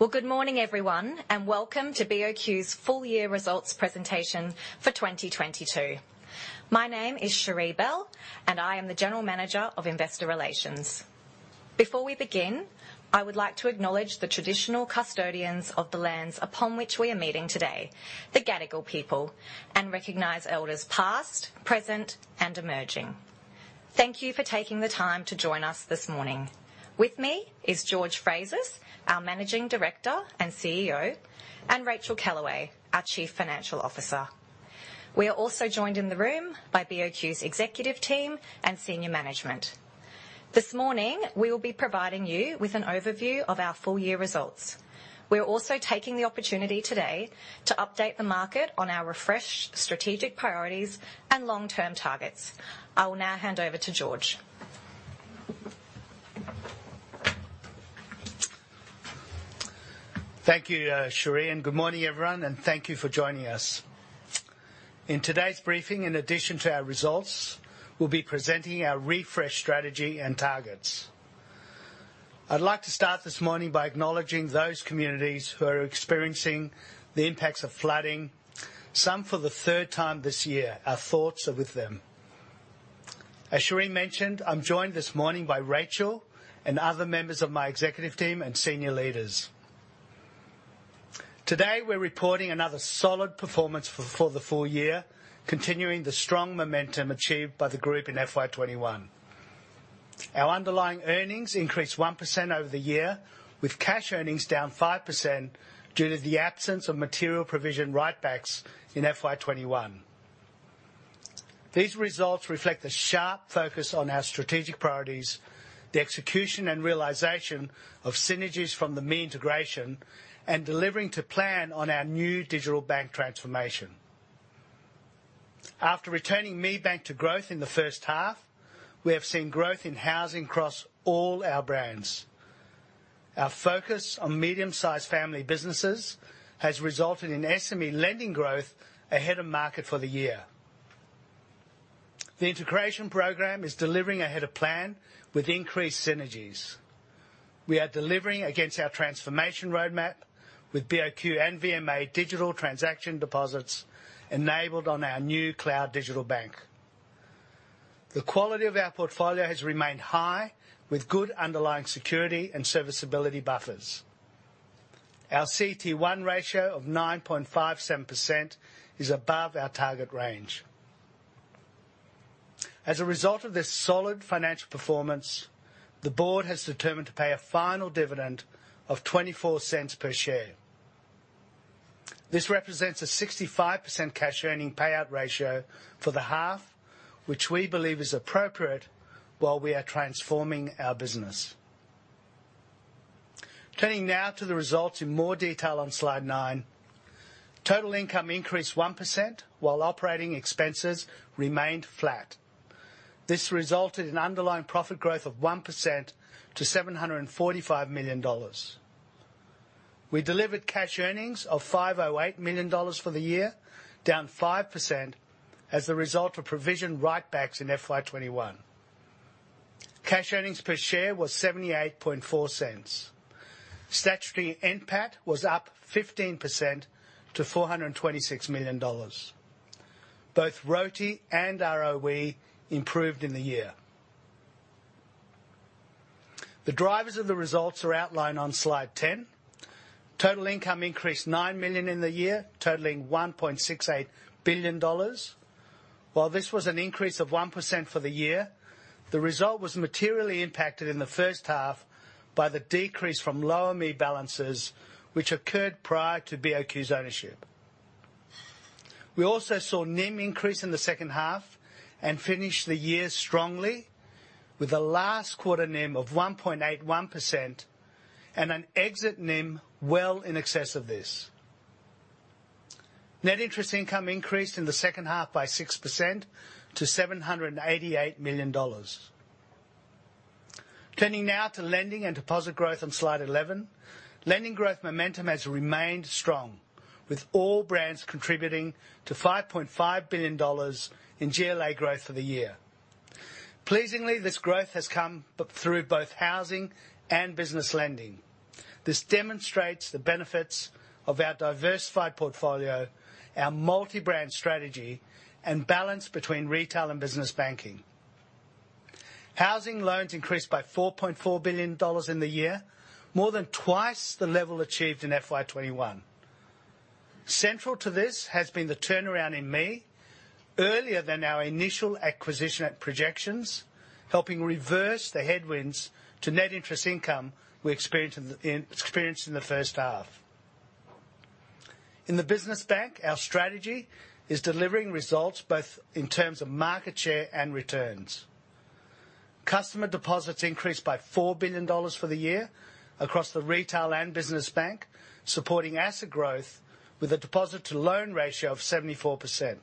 Well, good morning, everyone, and welcome to BOQ's full-year results presentation for 2022. My name is Cherie Bell, and I am the General Manager of Investor Relations. Before we begin, I would like to acknowledge the traditional custodians of the lands upon which we are meeting today, the Gadigal people, and recognize elders past, present, and emerging. Thank you for taking the time to join us this morning. With me is George Frazis, our Managing Director and CEO, and Racheal Kellaway, our Chief Financial Officer. We are also joined in the room by BOQ's executive team and senior management. This morning, we will be providing you with an overview of our full-year results. We are also taking the opportunity today to update the market on our refreshed strategic priorities and long-term targets. I will now hand over to George. Thank you, Cherie, and good morning, everyone, and thank you for joining us. In today's briefing, in addition to our results, we'll be presenting our refreshed strategy and targets. I'd like to start this morning by acknowledging those communities who are experiencing the impacts of flooding, some for the third time this year. Our thoughts are with them. As Cherie mentioned, I'm joined this morning by Racheal and other members of my executive team and senior leaders. Today, we're reporting another solid performance for the full-year, continuing the strong momentum achieved by the group in FY 2021. Our underlying earnings increased 1% over the year, with cash earnings down 5% due to the absence of material provision write-backs in FY 2021. These results reflect the sharp focus on our strategic priorities, the execution and realization of synergies from the ME integration, and delivering to plan on our new digital bank transformation. After returning ME Bank to growth in the first half, we have seen growth in housing across all our brands. Our focus on medium-sized family businesses has resulted in SME lending growth ahead of market for the year. The integration program is delivering ahead of plan with increased synergies. We are delivering against our transformation roadmap with BOQ and VMA digital transaction deposits enabled on our new cloud digital bank. The quality of our portfolio has remained high with good underlying security and serviceability buffers. Our CET1 ratio of 9.57% is above our target range. As a result of this solid financial performance, the board has determined to pay a final dividend of 0.24 per share. This represents a 65% cash earning payout ratio for the half, which we believe is appropriate while we are transforming our business. Turning now to the results in more detail on slide 9. Total income increased 1%, while operating expenses remained flat. This resulted in underlying profit growth of 1% to AUD 745 million. We delivered cash earnings of AUD 508 million for the year, down 5% as a result of provision write-backs in FY 2021. Cash earnings per share was 0.784. Statutory NPAT was up 15% to 426 million dollars. Both ROTI and ROE improved in the year. The drivers of the results are outlined on slide 10. Total income increased 9 million in the year, totaling 1.68 billion dollars. While this was an increase of 1% for the year, the result was materially impacted in the first half by the decrease from lower ME balances which occurred prior to BOQ's ownership. We also saw NIM increase in the second half and finish the year strongly with a last quarter NIM of 1.81% and an exit NIM well in excess of this. Net interest income increased in the second half by 6% to 788 million dollars. Turning now to lending and deposit growth on slide 11. Lending growth momentum has remained strong with all brands contributing to 5.5 billion dollars in GLA growth for the year. Pleasingly, this growth has come through both housing and business lending. This demonstrates the benefits of our diversified portfolio, our multi-brand strategy, and balance between retail and business banking. Housing loans increased by 4.4 billion dollars in the year, more than twice the level achieved in FY 2021. Central to this has been the turnaround in ME, earlier than our initial acquisition target projections, helping reverse the headwinds to net interest income we experienced in the first half. In the business bank, our strategy is delivering results both in terms of market share and returns. Customer deposits increased by 4 billion dollars for the year across the retail and business bank, supporting asset growth with a deposit to loan ratio of 74%.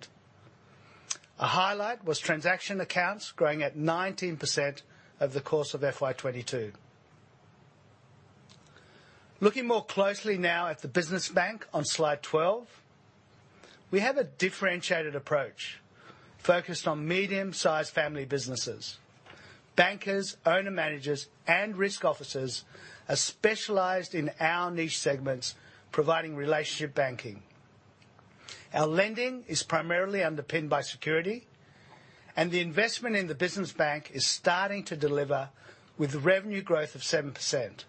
A highlight was transaction accounts growing at 19% over the course of FY 2022. Looking more closely now at the business bank on slide 12. We have a differentiated approach focused on medium-sized family businesses. Bankers, owner managers, and risk officers are specialized in our niche segments, providing relationship banking. Our lending is primarily underpinned by security, and the investment in the business bank is starting to deliver with revenue growth of 7%.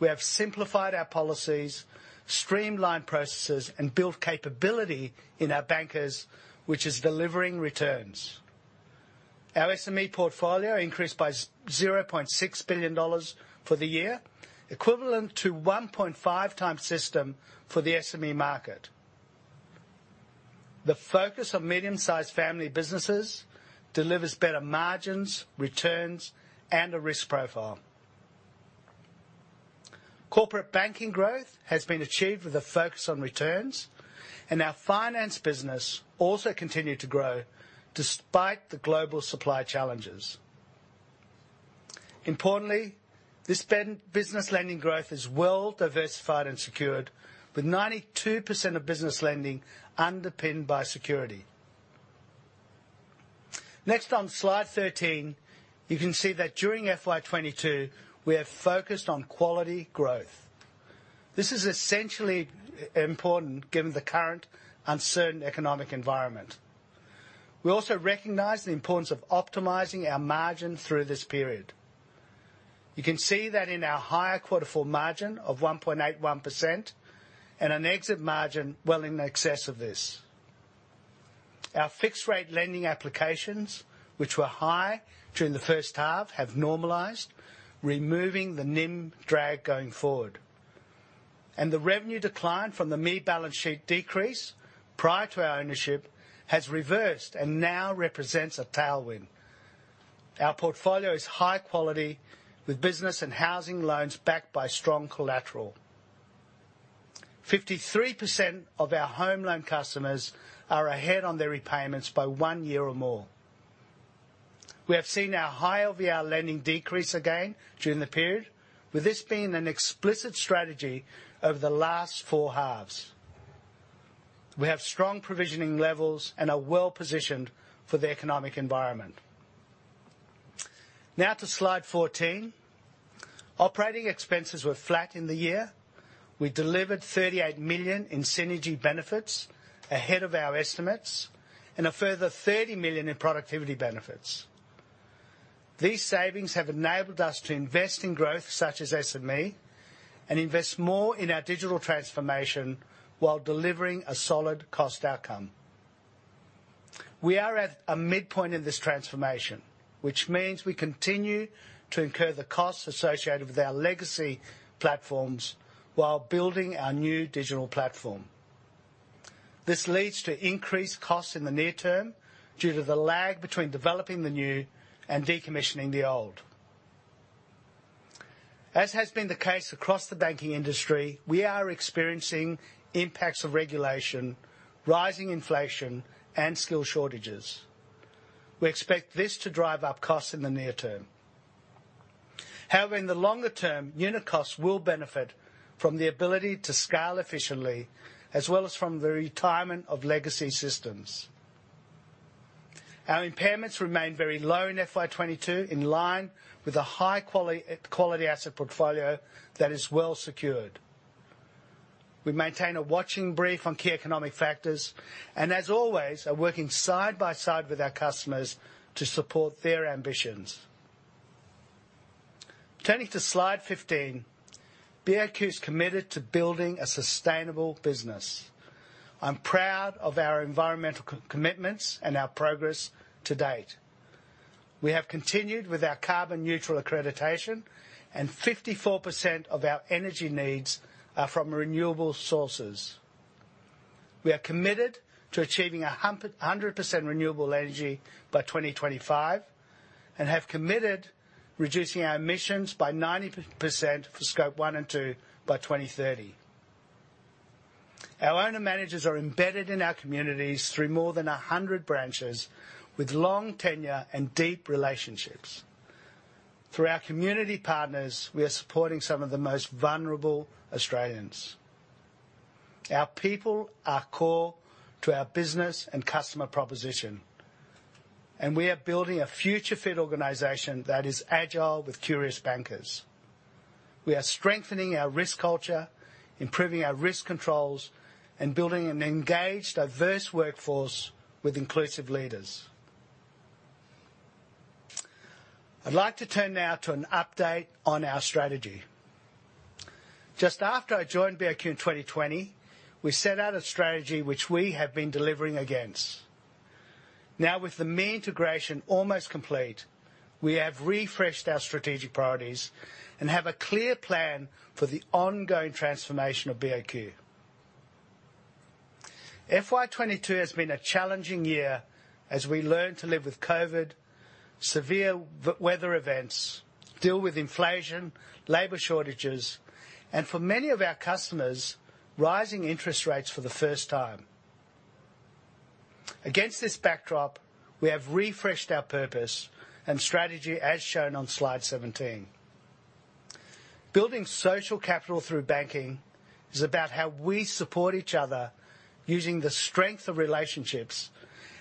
We have simplified our policies, streamlined processes, and built capability in our bankers, which is delivering returns. Our SME portfolio increased by 0.6 billion dollars for the year, equivalent to 1.5 times system for the SME market. The focus on medium-sized family businesses delivers better margins, returns, and a risk profile. Corporate banking growth has been achieved with a focus on returns, and our finance business also continued to grow despite the global supply challenges. Importantly, this business lending growth is well-diversified and secured, with 92% of business lending underpinned by security. Next on slide 13, you can see that during FY 2022, we have focused on quality growth. This is essentially important given the current uncertain economic environment. We also recognize the importance of optimizing our margin through this period. You can see that in our higher quarterly margin of 1.81% and an exit margin well in excess of this. Our fixed-rate-lending applications, which were high during the first half, have normalized, removing the NIM drag going forward. The revenue decline from the ME balance sheet decrease prior to our ownership has reversed and now represents a tailwind. Our portfolio is high-quality, with business and housing loans backed by strong collateral. 53% of our home loan customers are ahead on their repayments by one year or more. We have seen our high-LVR-lending decrease again during the period, with this being an explicit strategy over the last four halves. We have strong provisioning levels and are well-positioned for the economic environment. Now to slide 14. Operating expenses were flat in the year. We delivered 38 million in synergy benefits ahead of our estimates, and a further 30 million in productivity benefits. These savings have enabled us to invest in growth such as SME and invest more in our digital transformation while delivering a solid cost outcome. We are at a midpoint in this transformation, which means we continue to incur the costs associated with our legacy platforms while building our new digital platform. This leads to increased costs in the near term due to the lag between developing the new and decommissioning the old. As has been the case across the banking industry, we are experiencing impacts of regulation, rising inflation, and skill shortages. We expect this to drive up costs in the near term. However, in the longer-term, unit costs will benefit from the ability to scale efficiently as well as from the retirement of legacy systems. Our impairments remain very low in FY 22, in line with a high-quality asset portfolio that is well-secured. We maintain a watching brief on key economic factors, and as always, are working side by side with our customers to support their ambitions. Turning to slide 15, BOQ is committed to building a sustainable business. I'm proud of our environmental co-commitments and our progress to date. We have continued with our carbon neutral accreditation and 54% of our energy needs are from renewable sources. We are committed to achieving a 100% renewable energy by 2025, and have committed reducing our emissions by 90% for Scope one and two by 2030. Our owner managers are embedded in our communities through more than 100 branches with long-tenure and deep relationships. Through our community partners, we are supporting some of the most vulnerable Australians. Our people are core to our business and customer proposition, and we are building a future fit organization that is agile with curious bankers. We are strengthening our risk culture, improving our risk controls, and building an engaged, diverse workforce with inclusive leaders. I'd like to turn now to an update on our strategy. Just after I joined BOQ in 2020, we set out a strategy which we have been delivering against. Now, with the ME integration almost complete, we have refreshed our strategic priorities and have a clear plan for the ongoing transformation of BOQ. FY 2022 has been a challenging year as we learned to live with COVID, severe weather events, deal with inflation, labor shortages, and for many of our customers, rising interest rates for the first time. Against this backdrop, we have refreshed our purpose and strategy as shown on slide 17. Building social capital through banking is about how we support each other using the strength of relationships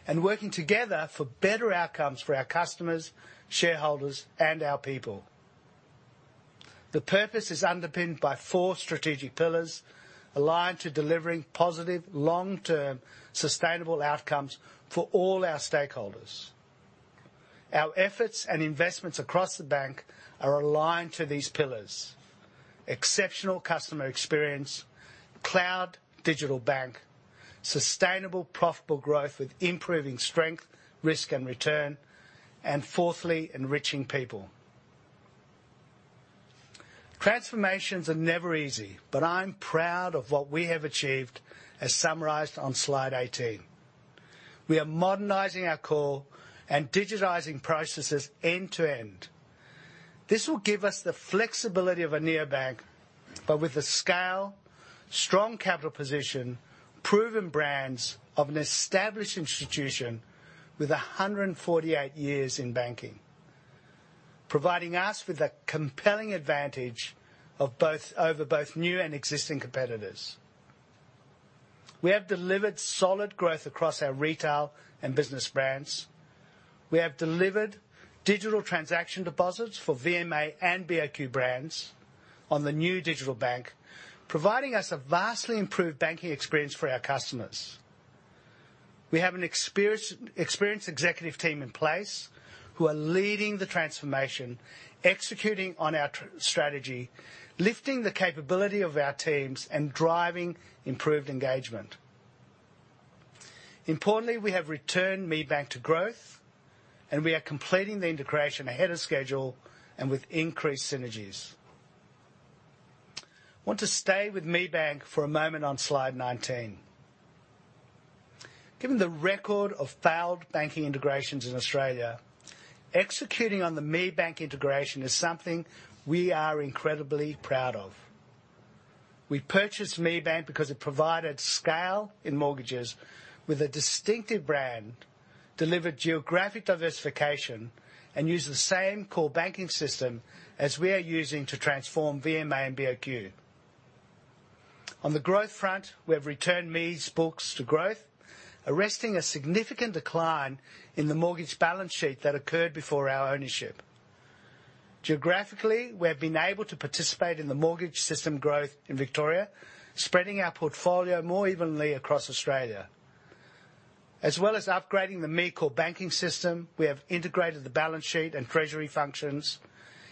and working together for better outcomes for our customers, shareholders, and our people. The purpose is underpinned by 4 strategic pillars aligned to delivering positive long-term sustainable outcomes for all our stakeholders. Our efforts and investments across the bank are aligned to these pillars. Exceptional customer experience, cloud digital bank, sustainable profitable growth with improving strength, risk and return, and fourthly, enriching people. Transformations are never easy, but I'm proud of what we have achieved as summarized on slide 18. We are modernizing our core and digitizing processes end to end. This will give us the flexibility of a neobank, but with the scale, strong capital position, proven brands of an established institution with 148 years in banking, providing us with a compelling advantage over both new and existing competitors. We have delivered solid growth across our retail and business brands. We have delivered digital transaction deposits for VMA and BOQ brands on the new digital bank, providing us a vastly improved banking experience for our customers. We have an experienced executive team in place who are leading the transformation, executing on our strategy, lifting the capability of our teams, and driving improved engagement. Importantly, we have returned ME Bank to growth, and we are completing the integration ahead of schedule and with increased synergies. Want to stay with ME Bank for a moment on slide 19. Given the record of failed banking integrations in Australia, executing on the ME Bank integration is something we are incredibly proud of. We purchased ME Bank because it provided scale in mortgages with a distinctive brand, delivered geographic diversification, and used the same core banking system as we are using to transform VMA and BOQ. On the growth front, we have returned ME's books to growth, arresting a significant decline in the mortgage balance sheet that occurred before our ownership. Geographically, we have been able to participate in the mortgage market growth in Victoria, spreading our portfolio more evenly across Australia. As well as upgrading the ME core banking system, we have integrated the balance sheet and treasury functions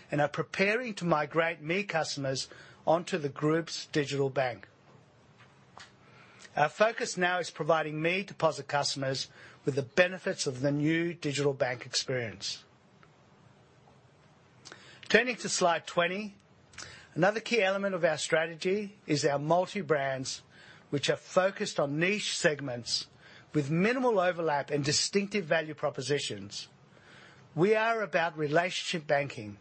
and are preparing to migrate ME customers onto the group's digital bank. Our focus now is providing ME deposit customers with the benefits of the new digital bank experience. Turning to slide 20. Another key element of our strategy is our multi brands, which are focused on niche segments with minimal overlap and distinctive value propositions. We are about relationship banking.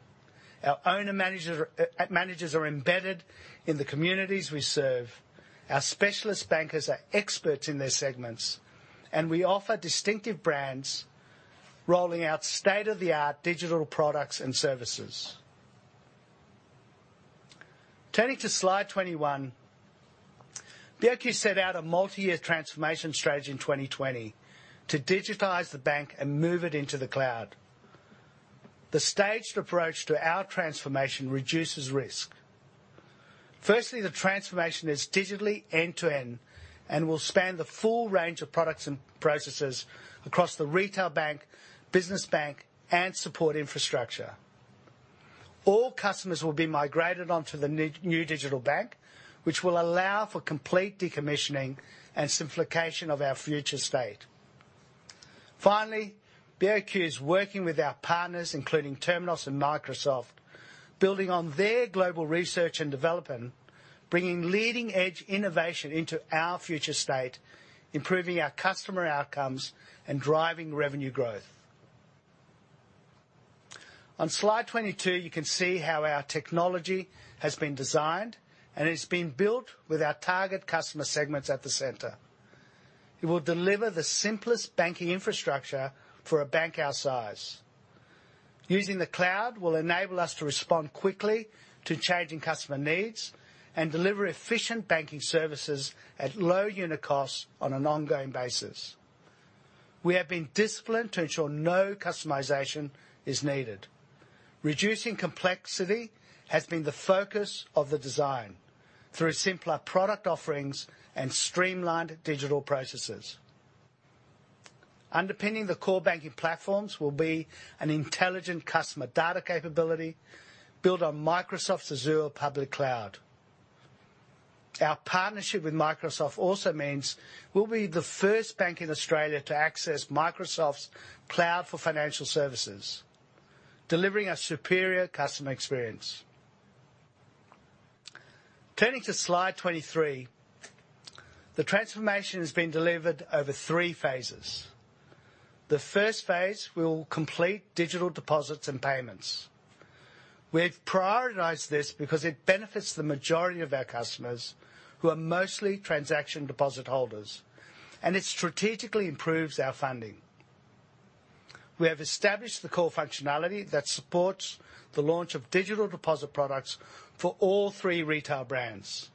Our owner-managers are embedded in the communities we serve. Our specialist bankers are experts in their segments, and we offer distinctive brands rolling out state-of-the-art digital products and services. Turning to slide 21. BOQ set out a multi-year transformation strategy in 2020 to digitize the bank and move it into the cloud. The staged approach to our transformation reduces risk. Firstly, the transformation is digitally end to end and will span the full range of products and processes across the retail bank, business bank, and support infrastructure. All customers will be migrated onto the new digital bank, which will allow for complete decommissioning and simplification of our future state. Finally, BOQ is working with our partners, including Temenos and Microsoft, building on their global research and development, bringing leading-edge innovation into our future state, improving our customer outcomes and driving revenue growth. On slide 22, you can see how our technology has been designed, and it's been built with our target customer segments at the center. It will deliver the simplest banking infrastructure for a bank our size. Using the cloud will enable us to respond quickly to changing customer needs and deliver efficient banking services at low unit costs on an ongoing basis. We have been disciplined to ensure no customization is needed. Reducing complexity has been the focus of the design through simpler product offerings and streamlined digital processes. Underpinning the core banking platforms will be an intelligent customer data capability built on Microsoft's Azure public cloud. Our partnership with Microsoft also means we'll be the first bank in Australia to access Microsoft's cloud for financial services, delivering a superior customer experience. Turning to slide 23. The transformation has been delivered over 3 phases. The first phase, we will complete digital deposits and payments. We've prioritized this because it benefits the majority of our customers who are mostly transaction deposit holders, and it strategically improves our funding. We have established the core functionality that supports the launch of digital deposit products for all three retail brands.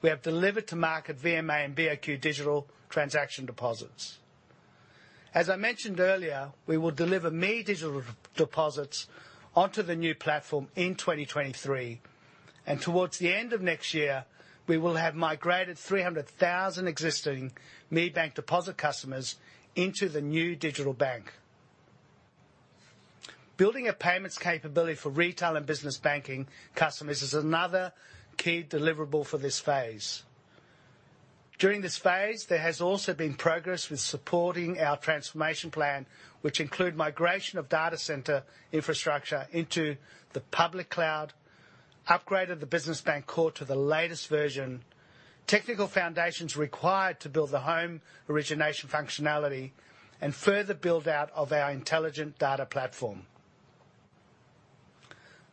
We have delivered to market VMA and BOQ digital transaction deposits. As I mentioned earlier, we will deliver ME digital deposits onto the new platform in 2023, and towards the end of next year, we will have migrated 300,000 existing ME Bank deposit customers into the new digital bank. Building a payments capability for retail and business banking customers is another key deliverable for this phase. During this phase, there has also been progress with supporting our transformation plan, which include migration of data center infrastructure into the public cloud, upgraded the business bank core to the latest version, technical foundations required to build the home origination functionality, and further build out of our intelligent data platform.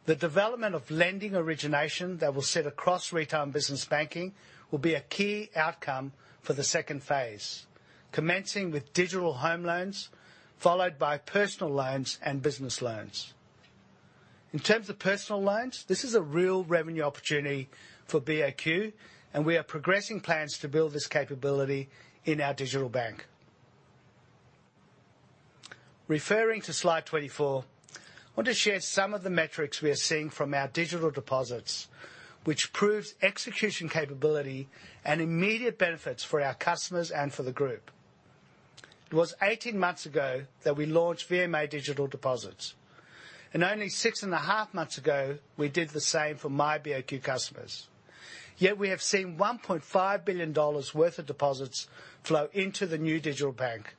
The development of lending origination that will sit across retail and business banking will be a key outcome for the second phase, commencing with digital home loans, followed by personal loans and business loans. In terms of personal loans, this is a real revenue opportunity for BOQ, and we are progressing plans to build this capability in our digital bank. Referring to slide 24, I want to share some of the metrics we are seeing from our digital deposits, which proves execution capability and immediate benefits for our customers and for the group. It was 18 months ago that we launched Virgin Money Australia digital deposits, and only 6.5 months ago, we did the same for myBOQ customers. Yet we have seen 1.5 billion dollars worth of deposits flow into the new digital bank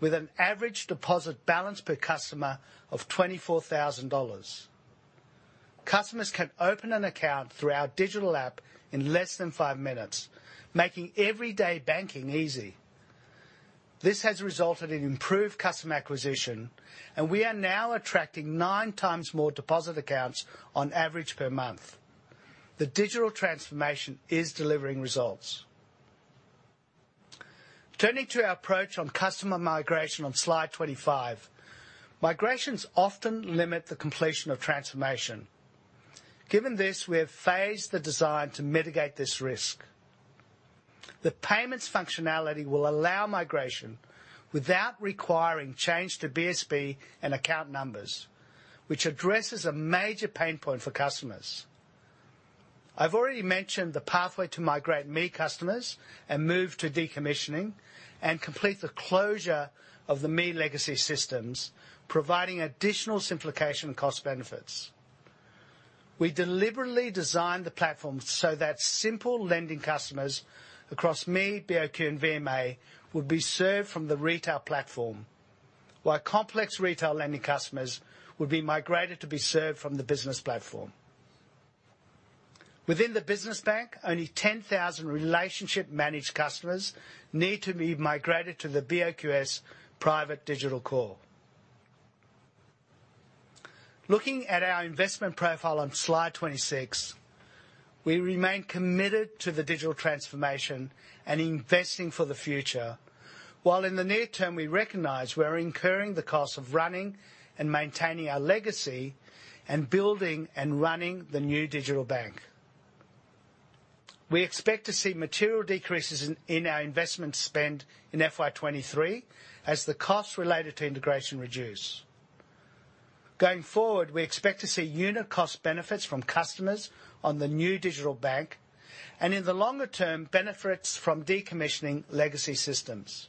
with an average deposit balance per customer of 24,000 dollars. Customers can open an account through our digital app in less than 5 minutes, making everyday banking easy. This has resulted in improved customer acquisition, and we are now attracting 9 times more deposit accounts on average per month. The digital transformation is delivering results. Turning to our approach on customer migration on slide 25. Migrations often limit the completion of transformation. Given this, we have phased the design to mitigate this risk. The payments functionality will allow migration without requiring change to BSB and account numbers, which addresses a major pain point for customers. I've already mentioned the pathway to migrate ME customers and move to decommissioning and complete the closure of the ME legacy systems, providing additional simplification cost benefits. We deliberately designed the platform so that simple lending customers across ME, BOQ, and VMA would be served from the retail platform, while complex retail lending customers would be migrated to be served from the business platform. Within the business bank, only 10,000 relationship managed customers need to be migrated to the BOQ's private digital core. Looking at our investment profile on slide 26, we remain committed to the digital transformation and investing for the future, while in the near term, we recognize we're incurring the cost of running and maintaining our legacy and building and running the new digital bank. We expect to see material decreases in our investment spend in FY 2023 as the costs related to integration reduce. Going forward, we expect to see unit cost benefits from customers on the new digital bank, and in the longer-term, benefits from decommissioning legacy systems.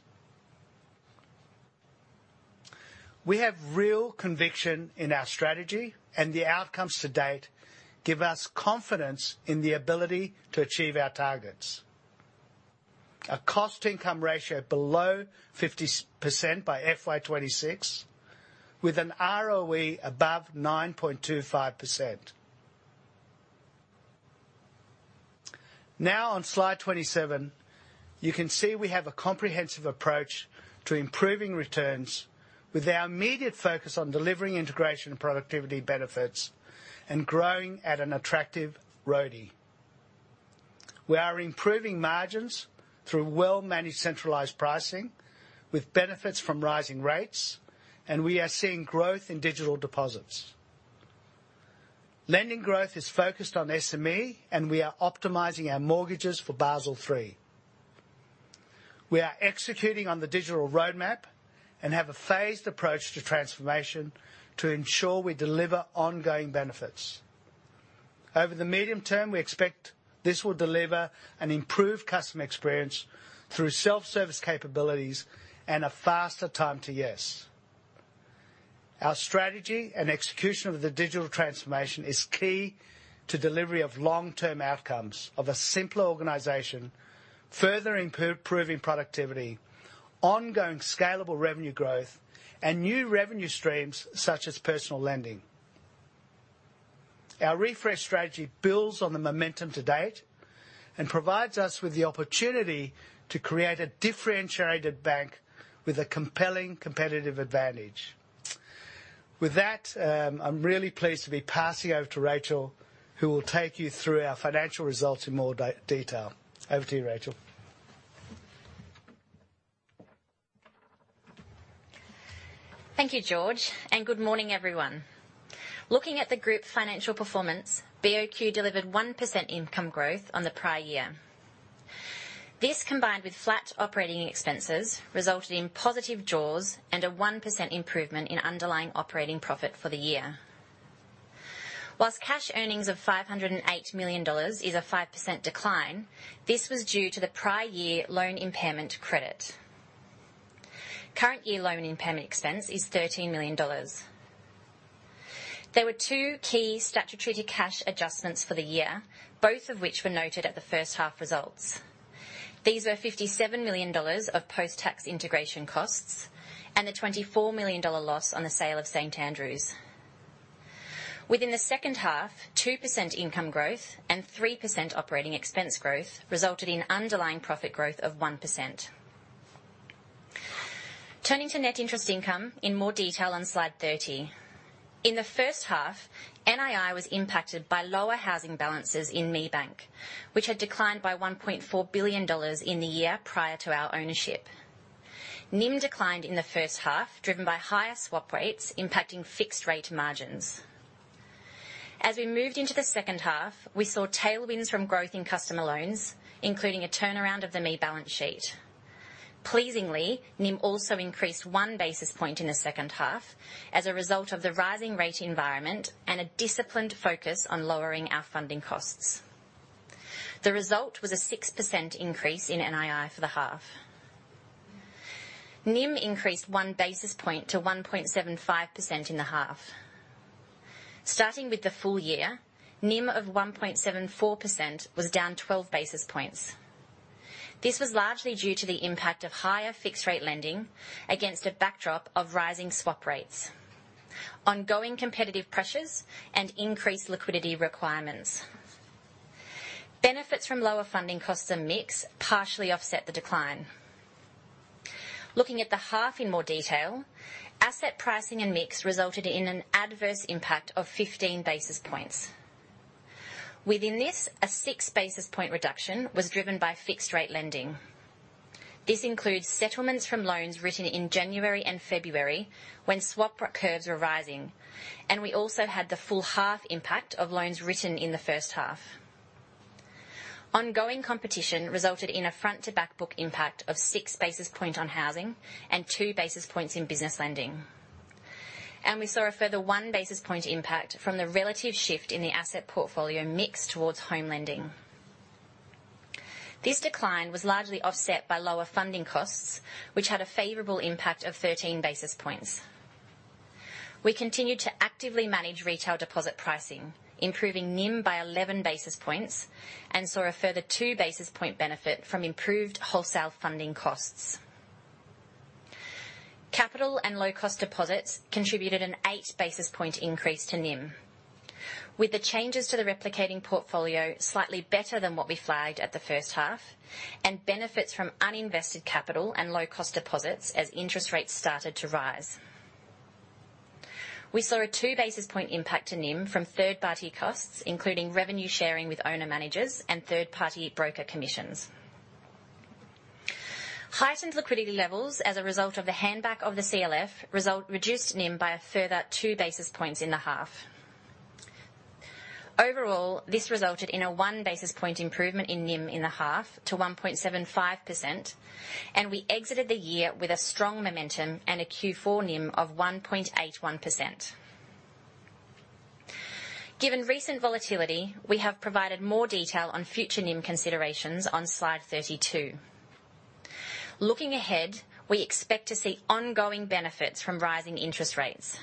We have real conviction in our strategy, and the outcomes to date give us confidence in the ability to achieve our targets. A cost-to-income ratio below 50% by FY 2026, with an ROE above 9.25%. Now on slide 27, you can see we have a comprehensive approach to improving returns with our immediate focus on delivering integration and productivity benefits and growing at an attractive ROTE. We are improving margins through well-managed centralized pricing with benefits from rising rates, and we are seeing growth in digital deposits. Lending growth is focused on SME, and we are optimizing our mortgages for Basel III. We are executing on the digital roadmap and have a phased approach to transformation to ensure we deliver ongoing benefits. Over the medium term, we expect this will deliver an improved customer experience through self-service capabilities and a faster time to yes. Our strategy and execution of the digital transformation is key to delivery of long-term outcomes of a simpler organization, further improving productivity, ongoing scalable revenue growth, and new revenue streams such as personal lending. Our refresh strategy builds on the momentum to date and provides us with the opportunity to create a differentiated bank with a compelling competitive advantage. With that, I'm really pleased to be passing over to Racheal, who will take you through our financial results in more detail. Over to you, Racheal. Thank you, George, and good morning, everyone. Looking at the group financial performance, BOQ delivered 1% income growth on the prior year. This, combined with flat operating expenses, resulted in positive jaws and a 1% improvement in underlying operating profit for the year. While cash earnings of 508 million dollars is a 5% decline, this was due to the prior year loan impairment credit. Current year loan impairment expense is 13 million dollars. There were two key statutory cash adjustments for the year, both of which were noted at the first half results. These were 57 million dollars of post-tax integration costs and a 24 million dollar loss on the sale of St Andrew's. Within the second half, 2% income growth and 3% operating expense growth resulted in underlying profit growth of 1%. Turning to net interest income in more detail on slide 30. In the first half, NII was impacted by lower housing balances in ME Bank, which had declined by 1.4 billion dollars in the year prior to our ownership. NIM declined in the first half, driven by higher-swap-rates impacting fixed-rate-margins. As we moved into the second half, we saw tailwinds from growth in customer loans, including a turnaround of the ME balance sheet. Pleasingly, NIM also increased 1 basis point in the second half as a result of the rising rate environment and a disciplined focus on lowering our funding costs. The result was a 6% increase in NII for the half. NIM increased 1 basis point to 1.75% in the half. Starting with the full-year, NIM of 1.74% was down 12 basis points. This was largely due to the impact of higher-fixed-rate lending against a backdrop of rising swap rates, ongoing competitive pressures, and increased liquidity requirements. Benefits from lower funding costs and mix partially offset the decline. Looking at the half in more detail, asset pricing and mix resulted in an adverse impact of 15 basis points. Within this, a 6 basis point reduction was driven by fixed-rate-lending. This includes settlements from loans written in January and February when swap rate curves were rising, and we also had the full half impact of loans written in the first half. Ongoing competition resulted in a front to back book impact of 6 basis point on housing and 2 basis points in business lending. We saw a further 1 basis point impact from the relative shift in the asset portfolio mix towards home lending. This decline was largely offset by lower funding costs, which had a favorable impact of 13 basis points. We continued to actively manage retail deposit pricing, improving NIM by 11 basis points and saw a further 2 basis point benefit from improved wholesale funding costs. Capital and low cost deposits contributed an 8 basis point increase to NIM. With the changes to the replicating portfolio slightly better than what we flagged at the first half and benefits from uninvested capital and low cost deposits as interest rates started to rise. We saw a 2 basis point impact to NIM from third party costs, including revenue sharing with owner managers and third party broker commissions. Heightened liquidity levels as a result of the hand-back of the CLF result reduced NIM by a further 2 basis points in the half. Overall, this resulted in a 1 basis point improvement in NIM in the half to 1.75%, and we exited the year with a strong momentum and a Q4 NIM of 1.81%. Given recent volatility, we have provided more detail on future NIM considerations on slide 32. Looking ahead, we expect to see ongoing benefits from rising interest rates.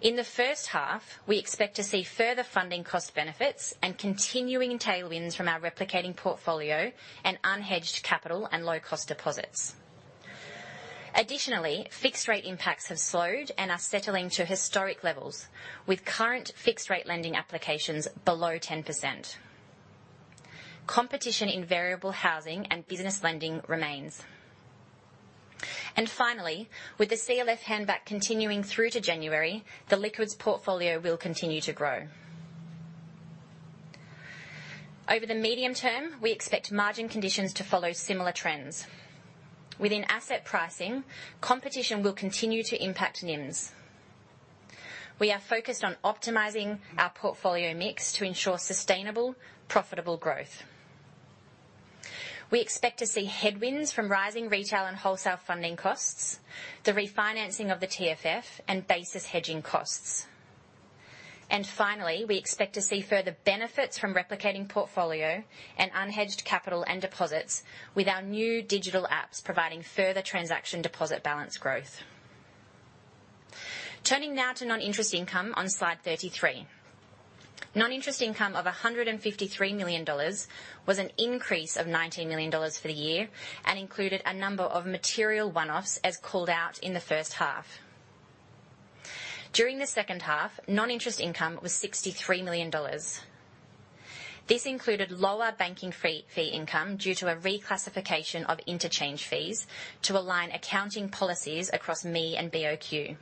In the first half, we expect to see further funding cost benefits and continuing tailwinds from our replicating portfolio and unhedged capital and low cost deposits. Additionally, fixed rate impacts have slowed and are settling to historic levels, with current fixed-rate-lending applications below 10%. Competition in variable housing and business lending remains. Finally, with the CLF hand-back continuing through to January, the liquids portfolio will continue to grow. Over the medium term, we expect margin conditions to follow similar trends. Within asset pricing, competition will continue to impact NIMs. We are focused on optimizing our portfolio mix to ensure sustainable, profitable growth. We expect to see headwinds from rising retail and wholesale funding costs, the refinancing of the TFF and basis hedging costs. Finally, we expect to see further benefits from replicating portfolio and unhedged capital and deposits with our new digital apps providing further transaction deposit balance growth. Turning now to non-interest income on slide 33. Non-interest income of 153 million dollars was an increase of 19 million dollars for the year and included a number of material one-offs, as called out in the first half. During the second half, non-interest income was 63 million dollars. This included lower banking fee income due to a reclassification of interchange fees to align accounting policies across ME and BOQ.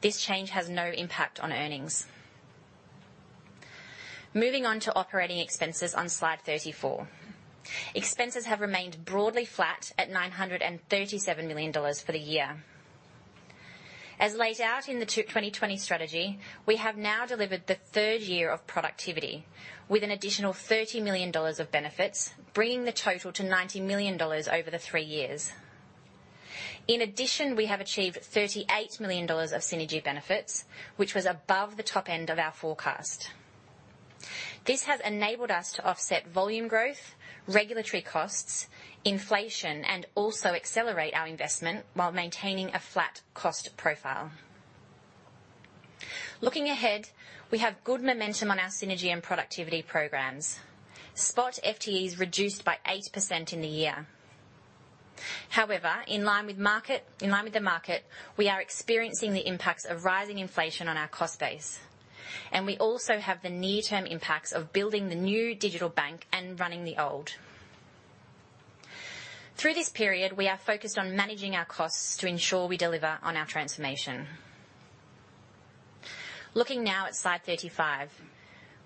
This change has no impact on earnings. Moving on to operating expenses on slide 34. Expenses have remained broadly flat at 937 million dollars for the year. As laid out in the 2020 strategy, we have now delivered the third year of productivity with an additional 30 million dollars of benefits, bringing the total to 90 million dollars over the three years. In addition, we have achieved 38 million dollars of synergy benefits, which was above the top-end of our forecast. This has enabled us to offset volume growth, regulatory costs, inflation, and also accelerate our investment while maintaining a flat cost profile. Looking ahead, we have good momentum on our synergy and productivity programs. Spot FTEs reduced by 8% in the year. However, in line with the market, we are experiencing the impacts of rising inflation on our cost base, and we also have the near-term impacts of building the new digital bank and running the old. Through this period, we are focused on managing our costs to ensure we deliver on our transformation. Looking now at slide 35.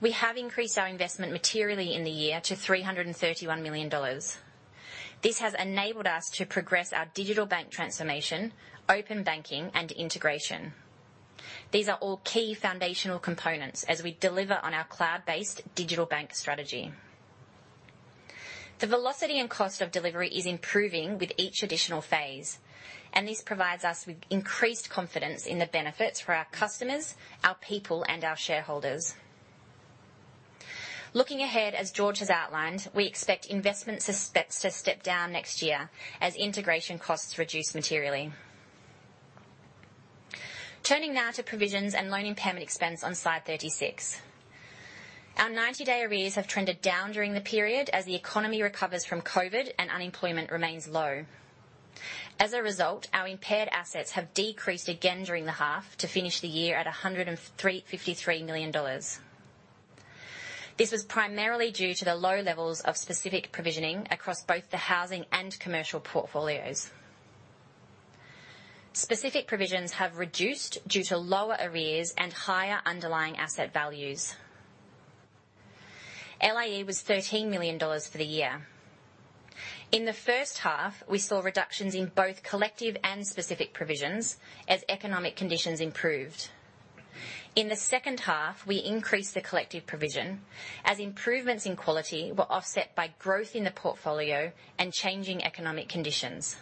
We have increased our investment materially in the year to 331 million dollars. This has enabled us to progress our digital bank transformation, open banking, and integration. These are all key foundational components as we deliver on our cloud-based digital bank strategy. The velocity and cost of delivery is improving with each additional phase, and this provides us with increased confidence in the benefits for our customers, our people, and our shareholders. Looking ahead, as George has outlined, we expect investments to step down next year as integration costs reduce materially. Turning now to provisions and loan impairment expense on slide 36. Our 90-day arrears have trended down during the period as the economy recovers from COVID and unemployment remains low. As a result, our impaired assets have decreased again during the half to finish the year at 153 million dollars. This was primarily due to the low levels of specific provisioning across both the housing and commercial portfolios. Specific provisions have reduced due to lower arrears and higher underlying asset values. LIE was 13 million dollars for the year. In the first half, we saw reductions in both collective and specific provisions as economic conditions improved. In the second half, we increased the collective provision as improvements in quality were offset by growth in the portfolio and changing economic conditions.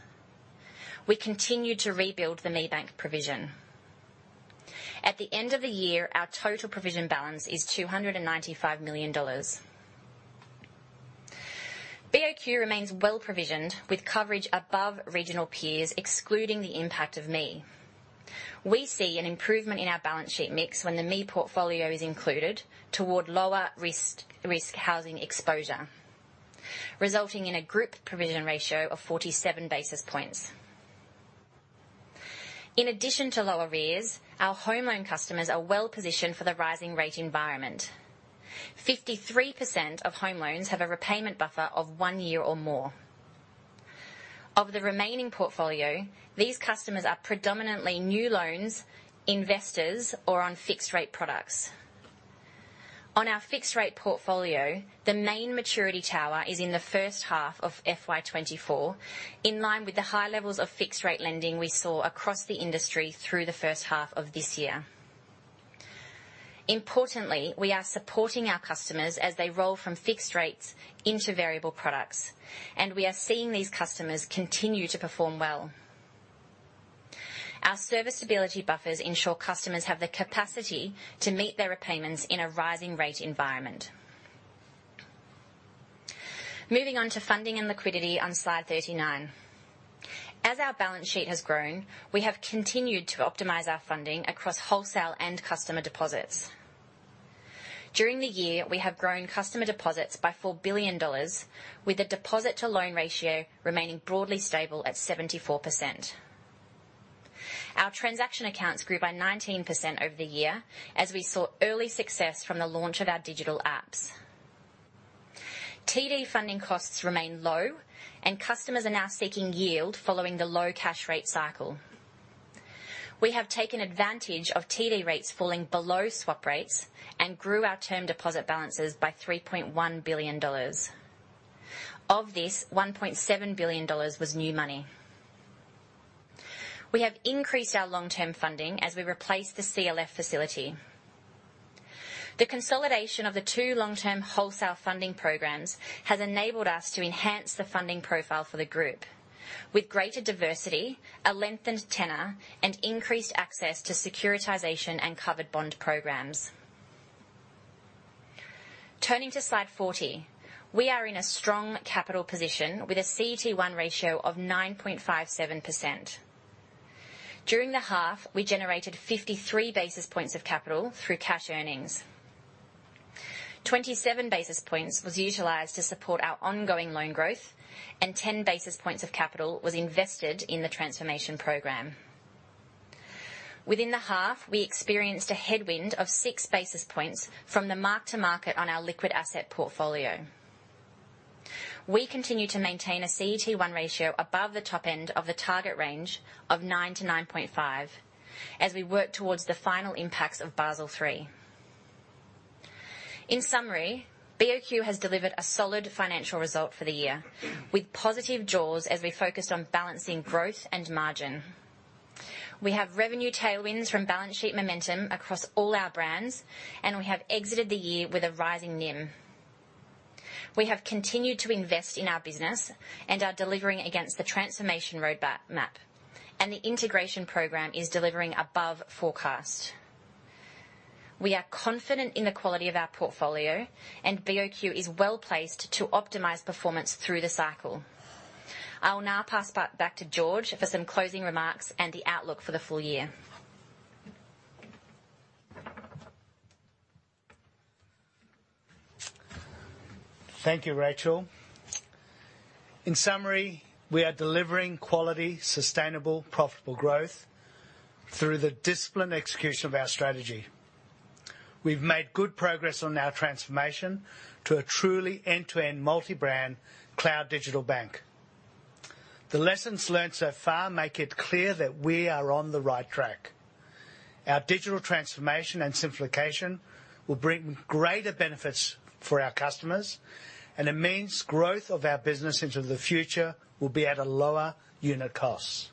We continued to rebuild the ME Bank provision. At the end of the year, our total provision balance is 295 million dollars. BOQ remains well-provisioned, with coverage above regional peers, excluding the impact of ME. We see an improvement in our balance sheet mix when the ME portfolio is included toward lower risk residential housing exposure, resulting in a group provision ratio of 47 basis points. In addition to lower arrears, our home loan customers are well-positioned for the rising rate environment. 53% of home loans have a repayment buffer of one year or more. Of the remaining portfolio, these customers are predominantly new loans, investors, or on fixed-rate-products. On our fixed-rate-portfolio, the main maturity tower is in the first half of FY 2024, in line with the high-levels of fixed-rate-lending we saw across the industry through the first half of this year. Importantly, we are supporting our customers as they roll from fixed rates into variable products, and we are seeing these customers continue to perform well. Our service stability buffers ensure customers have the capacity to meet their repayments in a rising rate environment. Moving on to funding and liquidity on slide 39. As our balance sheet has grown, we have continued to optimize our funding across wholesale and customer deposits. During the year, we have grown customer deposits by 4 billion dollars, with the deposit to loan ratio remaining broadly stable at 74%. Our transaction accounts grew by 19% over the year as we saw early success from the launch of our digital apps. TD funding costs remain low, and customers are now seeking yield following the low cash rate cycle. We have taken advantage of TD rates falling below swap rates and grew our term deposit balances by 3.1 billion dollars. Of this, 1.7 billion dollars was new money. We have increased our long-term funding as we replace the CLF facility. The consolidation of the two long-term wholesale funding programs has enabled us to enhance the funding profile for the group with greater diversity, a lengthened tenor, and increased access to securitization and covered bond programs. Turning to slide 40. We are in a strong capital position with a CET1 ratio of 9.57%. During the half, we generated 53 basis points of capital through cash earnings. Twenty-seven basis points was utilized to support our ongoing loan growth, and 10 basis points of capital was invested in the transformation program. Within the half, we experienced a headwind of 6 basis points from the mark to market on our liquid asset portfolio. We continue to maintain a CET1 ratio above the top-end of the target range of 9%-9.5%, as we work towards the final impacts of Basel III. In summary, BOQ has delivered a solid financial result for the year, with positive jaws as we focus on balancing growth and margin. We have revenue tailwinds from balance sheet momentum across all our brands, and we have exited the year with a rising NIM. We have continued to invest in our business and are delivering against the transformation roadmap, and the integration program is delivering above forecast. We are confident in the quality of our portfolio, and BOQ is well-placed to optimize performance through the cycle. I will now pass back to George for some closing remarks and the outlook for the full-year. Thank you, Racheal. In summary, we are delivering quality, sustainable, profitable growth through the disciplined execution of our strategy. We've made good progress on our transformation to a truly end-to-end multi-brand cloud digital bank. The lessons learned so far make it clear that we are on the right track. Our digital transformation and simplification will bring greater benefits for our customers, and it means growth of our business into the future will be at a lower unit cost.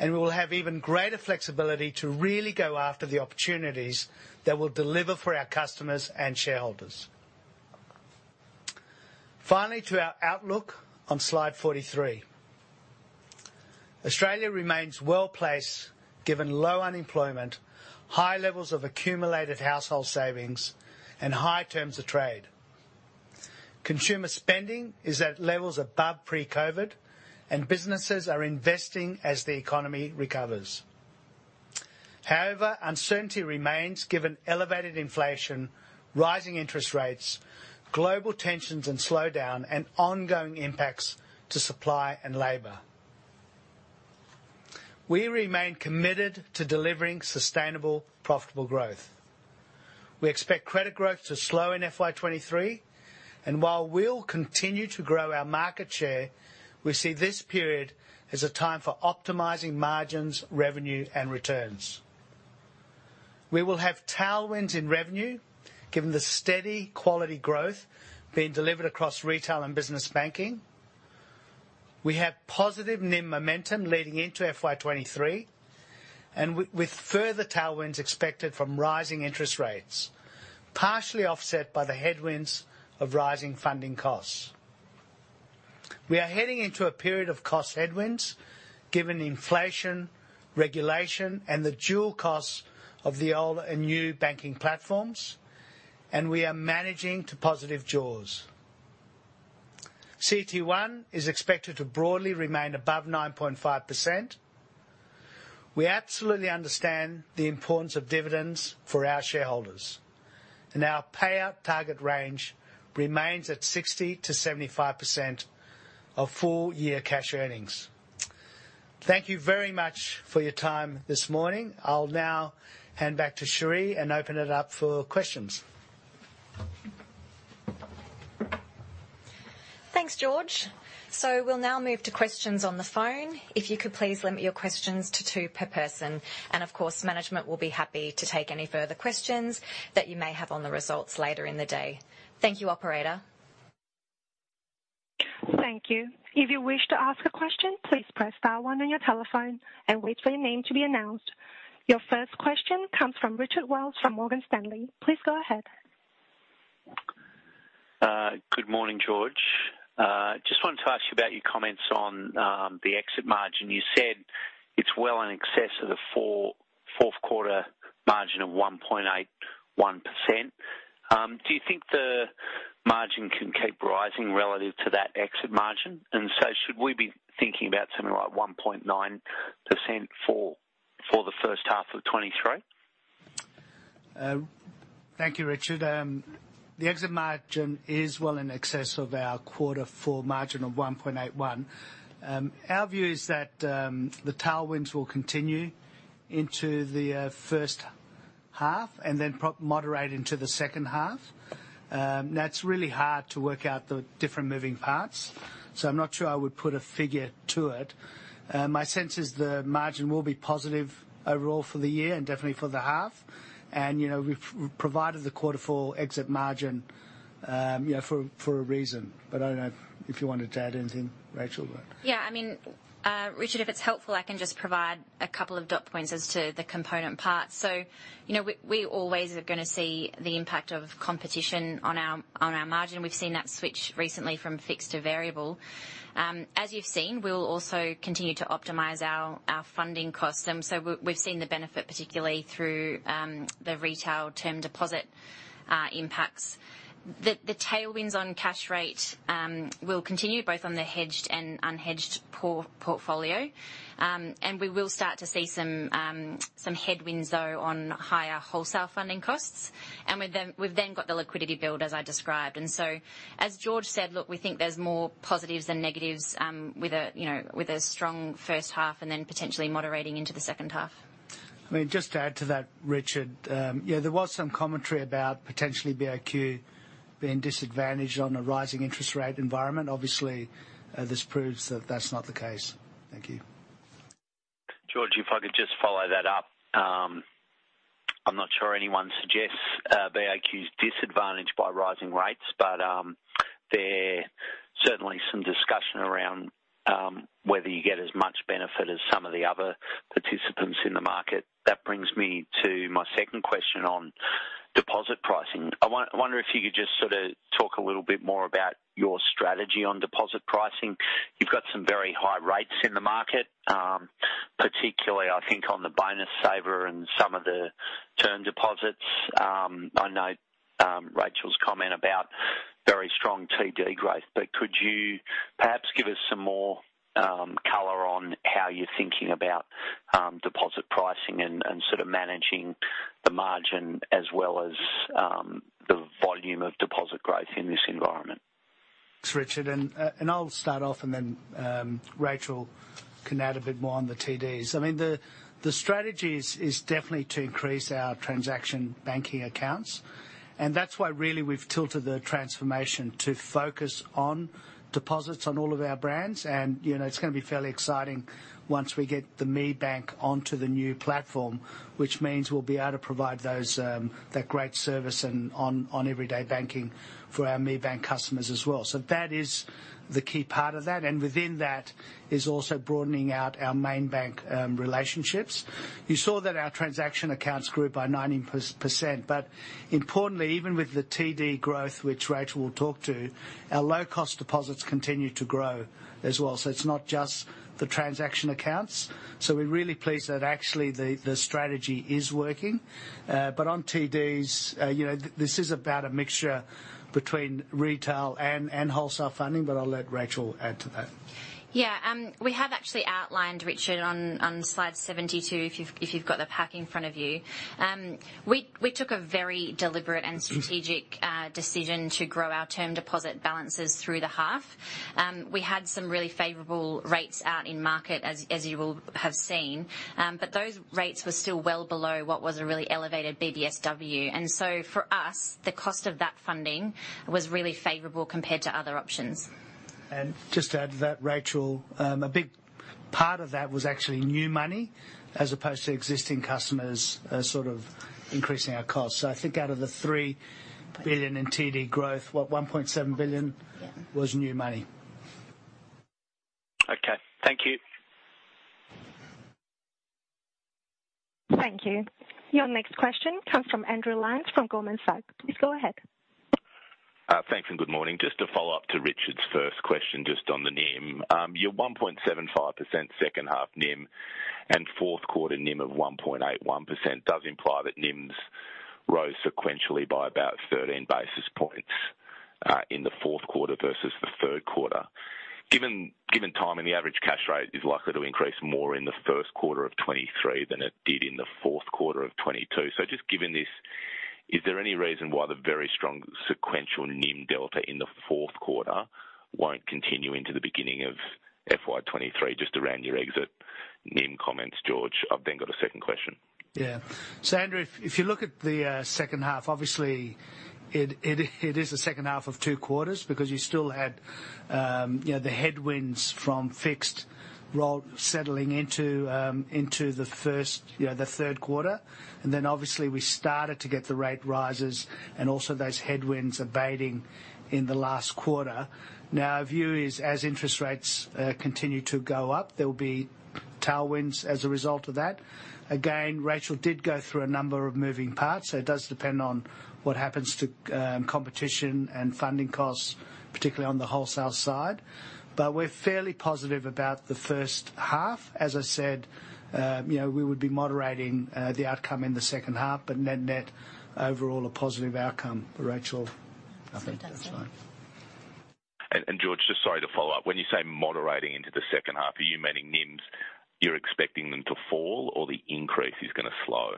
We will have even greater flexibility to really go after the opportunities that will deliver for our customers and shareholders. Finally, to our outlook on slide 43. Australia remains well-placed, given low unemployment, high-levels of accumulated household savings, and high-terms of trade. Consumer spending is at levels above pre-COVID, and businesses are investing as the economy recovers. However, uncertainty remains given elevated inflation, rising interest rates, global tensions and slowdown, and ongoing impacts to supply and labor. We remain committed to delivering sustainable, profitable growth. We expect credit growth to slow in FY 2023, and while we'll continue to grow our market share, we see this period as a time for optimizing margins, revenue, and returns. We will have tailwinds in revenue, given the steady quality growth being delivered across retail and business banking. We have positive NIM momentum leading into FY 2023, and with further tailwinds expected from rising interest rates, partially offset by the headwinds of rising funding costs. We are heading into a period of cost headwinds given inflation, regulation, and the dual costs of the old and new banking platforms, and we are managing to positive jaws. CET1 is expected to broadly remain above 9.5%. We absolutely understand the importance of dividends for our shareholders, and our payout target range remains at 60%-75% of full-year cash earnings. Thank you very much for your time this morning. I'll now hand back to CherIe and open it up for questions. Thanks, George. We'll now move to questions on the phone. If you could please limit your questions to two per person. Of course, management will be happy to take any further questions that you may have on the results later in the day. Thank you, operator. Thank you. If you wish to ask a question, please press star one on your telephone and wait for your name to be announced. Your first question comes from Richard Wiles from Morgan Stanley. Please go ahead. Good morning, George. Just wanted to ask you about your comments on the exit margin. You said it's well in excess of the Q4 margin of 1.81%. Do you think the margin can keep rising relative to that exit margin? Should we be thinking about something like 1.9% for the first half of 2023? Thank you, Richard. The exit margin is well in excess of our Q4 margin of 1.81%. Our view is that the tailwinds will continue into the first half and then moderate into the second half. Now it's really hard to work out the different moving parts, so I'm not sure I would put a figure to it. My sense is the margin will be positive overall for the year and definitely for the half. You know, we've provided the Q4 exit margin, you know, for a reason. I don't know if you want to add anything, Racheal. I mean, Richard, if it's helpful, I can just provide a couple of dot points as to the component parts. You know, we always are gonna see the impact of competition on our margin. We've seen that switch recently from fixed to variable. As you've seen, we'll also continue to optimize our funding costs. We've seen the benefit particularly through the retail term deposit impacts. The tailwinds on cash rate will continue both on the hedged and unhedged portfolio. We will start to see some headwinds though on higher-wholesale-funding costs. We've then got the liquidity build, as I described. As George said, look, we think there's more positives than negatives, with a, you know, with a strong first half and then potentially moderating into the second half. I mean, just to add to that, Richard, yeah, there was some commentary about potentially BOQ being disadvantaged on a rising interest rate environment. Obviously, this proves that that's not the case. Thank you. George, if I could just follow that up. I'm not sure anyone suggests BOQ's disadvantaged by rising rates, but there's certainly some discussion around whether you get as much benefit as some of the other participants in the market. That brings me to my second question on deposit pricing. I wonder if you could just sorta talk a little bit more about your strategy on deposit pricing. You've got some very high rates in the market, particularly I think on the Bonus Saver and some of the term deposits. I know Racheal's comment about very strong TD growth, but could you perhaps give us some more color on how you're thinking about deposit pricing and sort of managing the margin as well as the volume of deposit growth in this environment? Thanks, Richard, and I'll start off and then Racheal can add a bit more on the TDs. I mean, the strategy is definitely to increase our transaction banking accounts. That's why really we've tilted the transformation to focus on deposits on all of our brands. You know, it's gonna be fairly exciting once we get the ME Bank onto the new platform, which means we'll be able to provide those that great service and on everyday banking for our ME Bank customers as well. That is the key part of that. Within that is also broadening out our ME Bank relationships. You saw that our transaction accounts grew by 90%. Importantly, even with the TD growth, which Racheal will talk to, our low-cost deposits continue to grow as well. It's not just the transaction accounts. We're really pleased that actually the strategy is working. On TDs, you know, this is about a mixture between retail and wholesale funding, but I'll let Racheal add to that. Yeah. We have actually outlined, Richard Wiles, on slide 72, if you've got the pack in front of you. We took a very deliberate and strategic decision to grow our term deposit balances through the half. We had some really favorable rates out in market, as you will have seen. But those rates were still well below what was a really elevated BBSW. For us, the cost of that funding was really favorable compared to other options. Just to add to that, Racheal, a big part of that was actually new money, as opposed to existing customers, sort of increasing our costs. I think out of the 3 billion in TD growth, what, 1.7 billion- Yeah. was new money. Okay. Thank you. Thank you. Your next question comes from Andrew Lyons from Goldman Sachs. Please go ahead. Thanks and good morning. Just a follow-up to Richard's first question, just on the NIM. Your 1.75% second half NIM and Q4 NIM of 1.81% does imply that NIMs rose sequentially by about 13 basis points in the Q4 versus the Q3. Given time and the average cash rate is likely to increase more in the Q1 2023 than it did in the Q4 2022. Just given this, is there any reason why the very strong sequential NIM delta in the Q4 won't continue into the beginning of FY 2023? Just around your exit NIM comments, George. I've then got a second question. Yeah. Andrew, if you look at the second half, obviously it is a second half of two quarters because you still had the headwinds from fixed roll settling into the first, the Q3. Then obviously we started to get the rate rises and also those headwinds abating in the last quarter. Now, our view is as interest rates continue to go up, there will be tailwinds as a result of that. Again, Racheal did go through a number of moving parts, so it does depend on what happens to competition and funding costs, particularly on the wholesale side. We're fairly positive about the first half. As I said, we would be moderating the outcome in the second half, but net net, overall a positive outcome. Racheal, I think that's fine. That's it. George, just sorry to follow up. When you say moderating into the second half, are you meaning NIMs, you're expecting them to fall or the increase is gonna slow?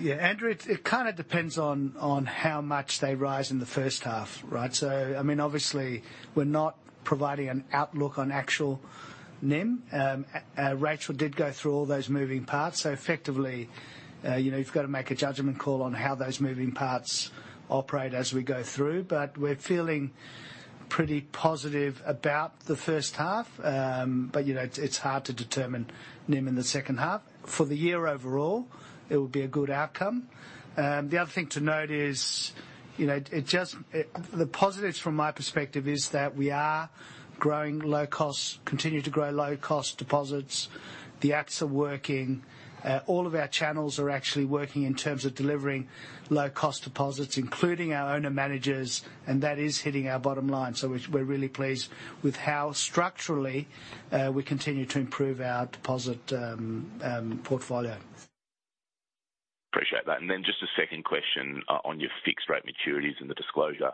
Yeah, Andrew, it kind of depends on how much they rise in the first half, right? I mean, obviously, we're not providing an outlook on actual NIM. Racheal did go through all those moving parts. Effectively, you know, you've got to make a judgment call on how those moving parts operate as we go through. We're feeling pretty positive about the first half. You know, it's hard to determine NIM in the second half. For the year overall, it will be a good outcome. The other thing to note is, you know, it just. The positives from my perspective is that we are growing low costs, continue to grow low cost deposits. The apps are working. All of our channels are actually working in terms of delivering low cost deposits, including our owner managers, and that is hitting our bottom-line. We're really pleased with how structurally we continue to improve our deposit portfolio. Appreciate that. Just a second question on your fixed-rate-maturities and the disclosure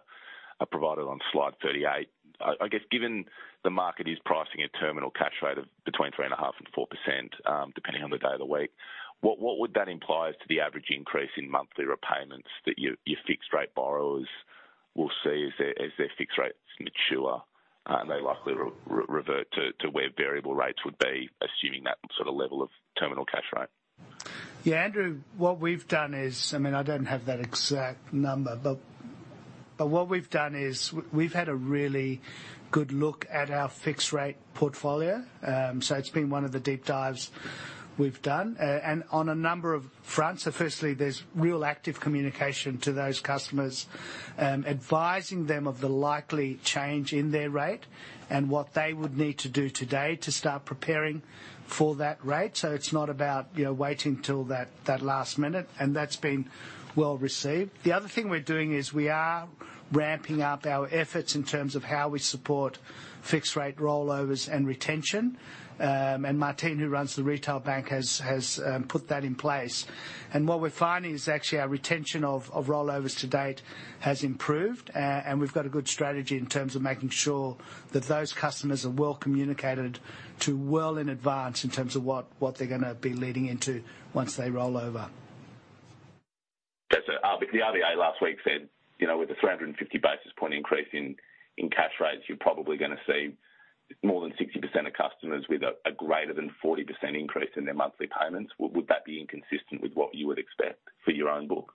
provided on slide 38. I guess given the market is pricing a terminal cash rate of between 3.5% and 4%, depending on the day of the week, what would that imply as to the average increase in monthly repayments that your fixed-rate-borrowers. We'll see as their fixed rates mature, and they likely revert to where variable rates would be, assuming that sort of level of terminal cash rate. Yeah, Andrew, what we've done is I mean, I don't have that exact number, but what we've done is we've had a really good look at our fixed-rate-portfolio. It's been one of the deep dives we've done, and on a number of fronts. Firstly there's real active communication to those customers, advising them of the likely change in their rate and what they would need to do today to start preparing for that rate. It's not about, you know, waiting till that last minute, and that's been well-received. The other thing we're doing is we are ramping up our efforts in terms of how we support fixed-rate-rollovers and retention. Martine, who runs the retail bank, has put that in place. What we're finding is actually our retention of rollovers to date has improved. We've got a good strategy in terms of making sure that those customers are well-communicated to well in advance in terms of what they're gonna be leading into once they roll over. That's it. The RBA last week said, you know, with the 350 basis point increase in cash rates, you're probably gonna see more than 60% of customers with a greater than 40% increase in their monthly payments. Would that be inconsistent with what you would expect for your own book?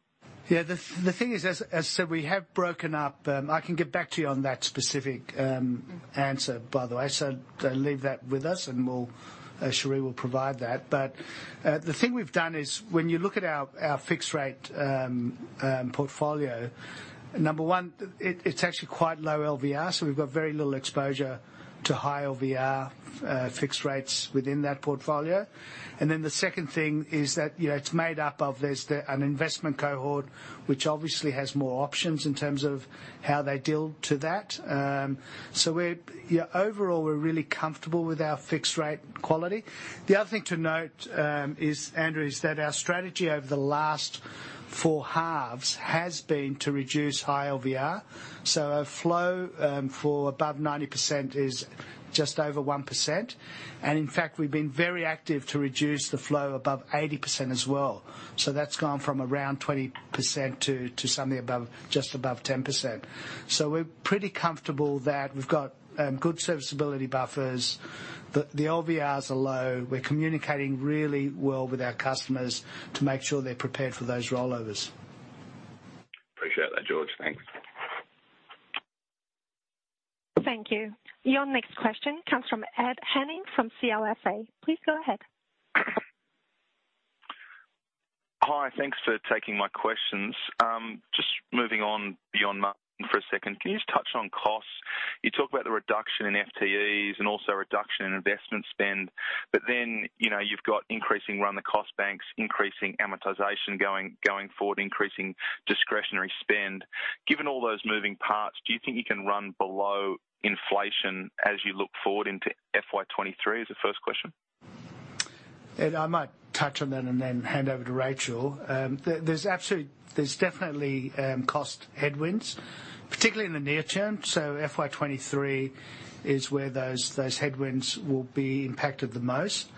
Yeah. The thing is, as said, we have broken up. I can get back to you on that specific answer, by the way. Leave that with us and Sherie will provide that. The thing we've done is when you look at our fixed-rate-portfolio, number one, it's actually quite low LVR, so we've got very little exposure to high-LVR-fixed-rates within that portfolio. The second thing is that, you know, it's made up of an investment cohort, which obviously has more options in terms of how they deal to that. We're really comfortable with our fixed-rate-quality. The other thing to note is, Andrew, that our strategy over the last four halves has been to reduce high LVR. Our flow for above 90% is just over 1%. In fact, we've been very active to reduce the flow above 80% as well. That's gone from around 20% to something above, just above 10%. We're pretty comfortable that we've got good serviceability buffers. The LVRs are low. We're communicating really well with our customers to make sure they're prepared for those rollovers. Appreciate that, George. Thanks. Thank you. Your next question comes from Ed Henning from CLSA. Please go ahead. Hi. Thanks for taking my questions. Just moving on beyond Martine for a second. Can you just touch on costs? You talk about the reduction in FTEs and also reduction in investment spend, but then, you know, you've got increasing run-the-bank costs, increasing amortization going forward, increasing discretionary spend. Given all those moving parts, do you think you can run below inflation as you look forward into FY 2023? Is the first question. Ed, I might touch on that and then hand over to Racheal. There's definitely cost headwinds, particularly in the near term. FY 2023 is where those headwinds will be impacted the most.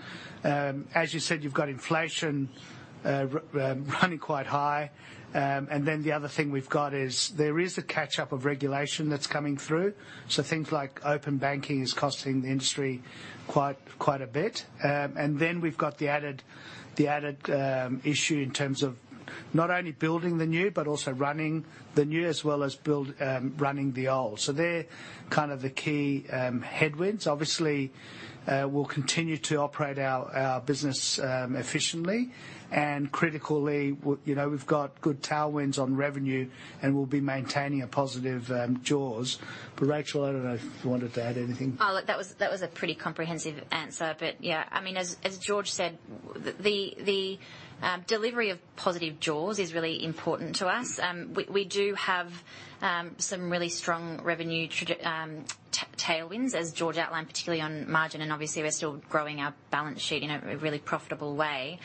As you said, you've got inflation running quite high. The other thing we've got is there is a catch-up of regulation that's coming through. Things like open banking is costing the industry quite a bit. We've got the added issue in terms of not only building the new, but also running the new as well as running the old. They're kind of the key headwinds. Obviously, we'll continue to operate our business efficiently and critically. We, you know, we've got good tailwinds on revenue, and we'll be maintaining a positive jaws. Racheal, I don't know if you wanted to add anything. Oh, look, that was a pretty comprehensive answer. Yeah. I mean, as George said, the delivery of positive jaws is really important to us. We do have some really strong revenue tailwinds, as George outlined, particularly on margin, and obviously we're still growing our balance sheet in a really profitable way.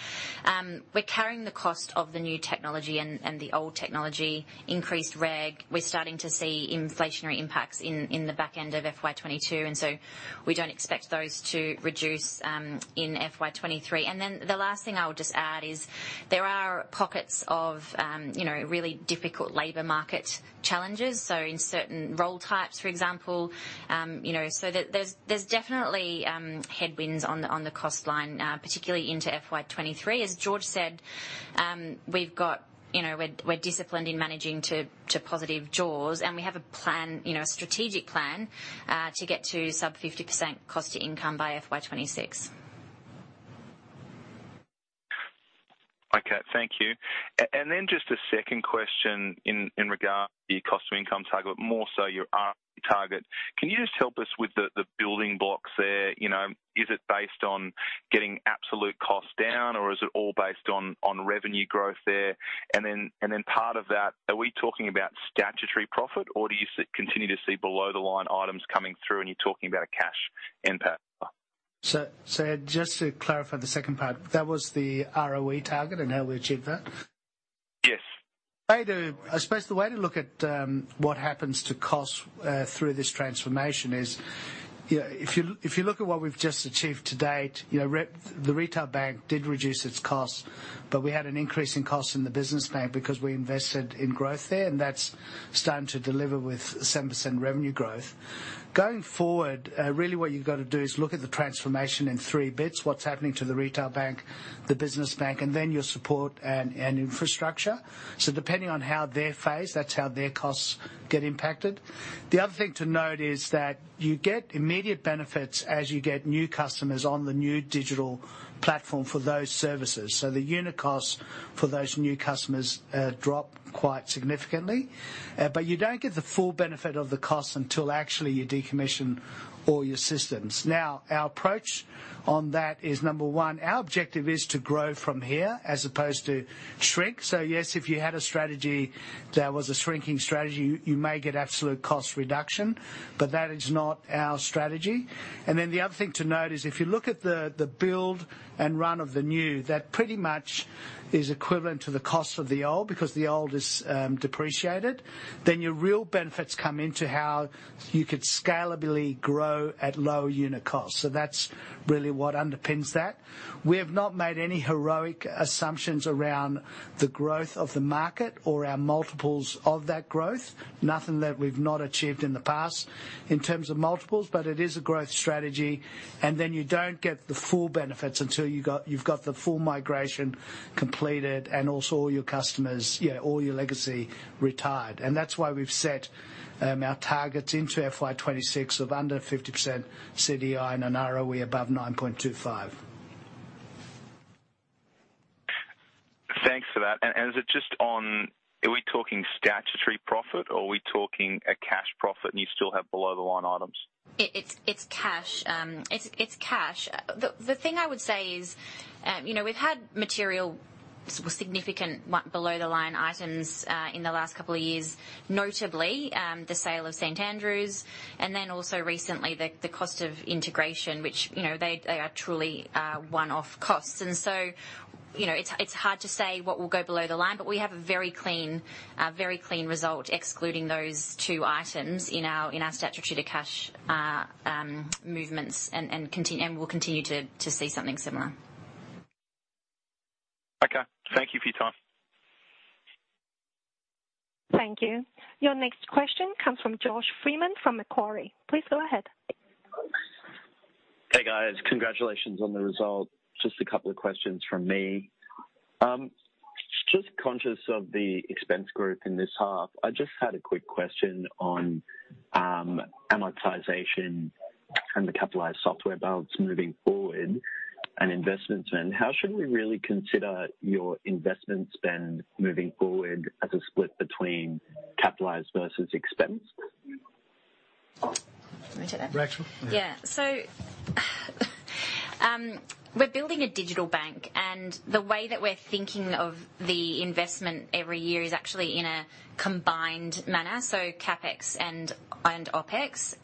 We're carrying the cost of the new technology and the old technology, increased reg. We're starting to see inflationary impacts in the back end of FY 2022, and so we don't expect those to reduce in FY 2023. Then the last thing I would just add is there are pockets of you know, really difficult labor market challenges, so in certain role types, for example. You know, there's definitely headwinds on the cost line, particularly into FY 2023. As George said, you know, we're disciplined in managing to positive jaws, and we have a plan, a strategic plan, to get to sub-50% cost-to-income by FY 2026. Okay, thank you. Just a second question in regard to your cost to income target, but more so your ROE target. Can you just help us with the building blocks there? You know, is it based on getting absolute cost down, or is it all based on revenue growth there? Part of that, are we talking about statutory profit, or do you continue to see below the line items coming through and you're talking about a cash impact? Just to clarify the second part, that was the ROE target and how we achieve that? Yes. I suppose the way to look at what happens to costs through this transformation is, you know, if you look at what we've just achieved to date, you know, the retail bank did reduce its costs, but we had an increase in costs in the business bank because we invested in growth there, and that's starting to deliver with 7% revenue growth. Going forward, really what you've got to do is look at the transformation in three bits, what's happening to the retail bank, the business bank, and then your support and infrastructure. Depending on how they're phased, that's how their costs get impacted. The other thing to note is that you get immediate benefits as you get new customers on the new digital platform for those services. The unit costs for those new customers drop quite significantly. You don't get the full benefit of the cost until actually you decommission all your systems. Our approach on that is, number one, our objective is to grow from here as opposed to shrink. Yes, if you had a strategy that was a shrinking strategy, you may get absolute cost reduction, but that is not our strategy. Then the other thing to note is if you look at the build and run of the new, that pretty much is equivalent to the cost of the old because the old is depreciated. Your real benefits come into how you could scalably grow at low unit cost. That's really what underpins that. We have not made any heroic assumptions around the growth of the market or our multiples of that growth. Nothing that we've not achieved in the past in terms of multiples, but it is a growth strategy. Then you don't get the full benefits until you've got the full migration completed and also all your customers, yeah, all your legacy retired. That's why we've set our targets into FY 2026 of under 50% CTI and an ROE above 9.25%. Thanks for that. Are we talking statutory profit, or are we talking a cash profit, and you still have below-the-line items? It's cash. The thing I would say is, you know, we've had material significant below-the-line items in the last couple of years, notably the sale of St Andrew's, and then also recently the cost of integration, which, you know, they are truly one-off costs. You know, it's hard to say what will go below the line, but we have a very clean result, excluding those two items in our statutory to cash movements, and we'll continue to see something similar. Okay. Thank you for your time. Thank you. Your next question comes from Victor German from Macquarie. Please go ahead. Hey, guys. Congratulations on the result. Just a couple of questions from me. Just conscious of the expense growth in this half, I just had a quick question on amortization and the capitalized software balance moving forward and investment spend. How should we really consider your investment spend moving forward as a split between capitalized versus expense? You want me to take that? Racheal? Yeah. We're building a digital bank, and the way that we're thinking of the investment every year is actually in a combined manner, so CapEx and OpEx.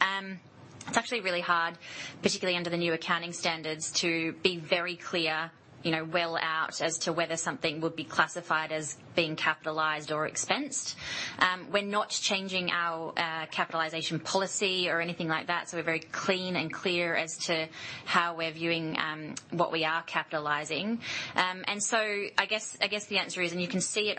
It's actually really hard, particularly under the new accounting standards, to be very clear, you know, well out as to whether something would be classified as being capitalized or expensed. We're not changing our capitalization policy or anything like that, so we're very clean and clear as to how we're viewing what we are capitalizing. I guess the answer is, and you can see it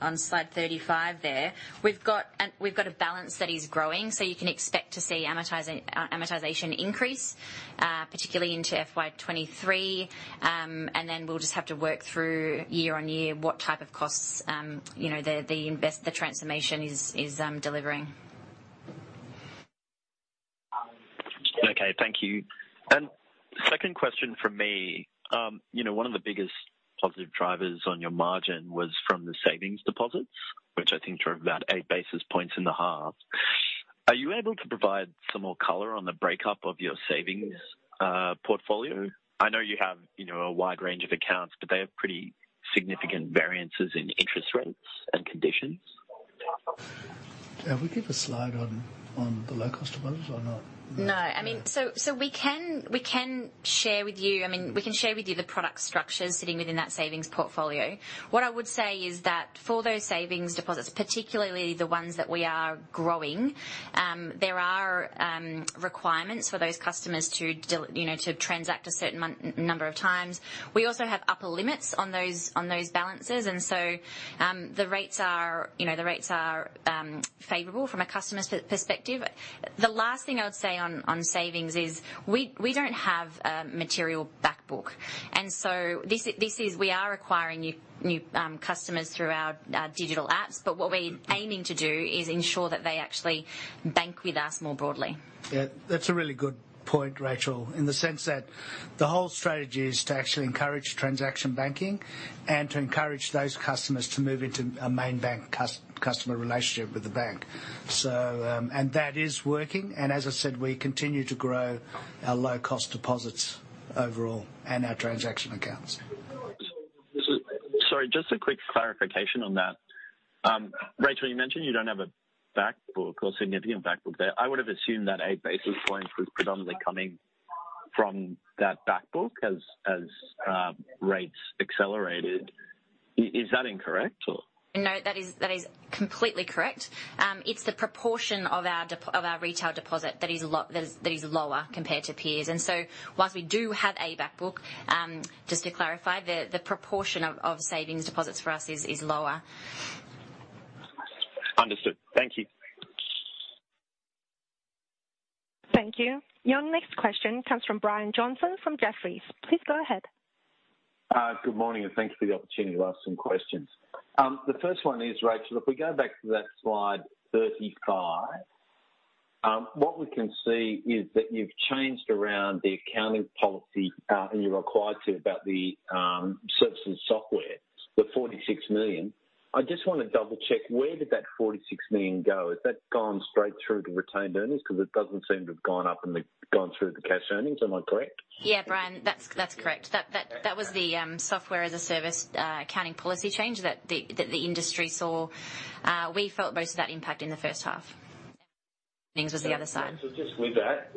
on slide 35 there. We've got a balance that is growing, so you can expect to see amortization increase, particularly into FY 2023. We'll just have to work through year-over-year what type of costs, you know, the transformation is delivering. Okay. Thank you. Second question from me. You know, one of the biggest positive drivers on your margin was from the savings deposits, which I think drove about eight basis points in the half. Are you able to provide some more color on the breakdown of your savings portfolio? I know you have, you know, a wide range of accounts, but they have pretty significant variances in interest rates and conditions. Have we give a slide on the low-cost deposits or not? No. I mean, we can share with you the product structures sitting within that savings portfolio. What I would say is that for those savings deposits, particularly the ones that we are growing, there are requirements for those customers to, you know, to transact a certain number of times. We also have upper limits on those balances, and the rates are, you know, favorable from a customer's perspective. The last thing I would say on savings is we don't have a material back book. This is we are acquiring new customers through our digital apps. What we're aiming to do is ensure that they actually bank with us more broadly. Yeah. That's a really good point, Racheal, in the sense that the whole strategy is to actually encourage transaction banking and to encourage those customers to move into a main bank customer relationship with the bank. That is working. As I said, we continue to grow our low-cost deposits overall and our transaction accounts. Sorry, just a quick clarification on that. Racheal, you mentioned you don't have a back book or significant back book there. I would have assumed that 8 basis points was predominantly coming from that back book as rates accelerated. Is that incorrect or? No, that is completely correct. It's the proportion of our retail deposit that is lower compared to peers. Whilst we do have a back book, just to clarify, the proportion of savings deposits for us is lower. Understood. Thank you. Thank you. Your next question comes from Brian Johnson from Jefferies. Please go ahead. Good morning, and thanks for the opportunity to ask some questions. The first one is, Racheal, if we go back to that slide 35, what we can see is that you've changed around the accounting policy, and you're required to about the SaaS, the 46 million. I just wanna double-check, where did that 46 million go? Has that gone straight through to retained earnings? 'Cause it doesn't seem to have gone through the cash earnings. Am I correct? Yeah, Brian, that's correct. That was the software as a service accounting policy change that the industry saw. We felt most of that impact in the first half. Things with the other side. Just with that,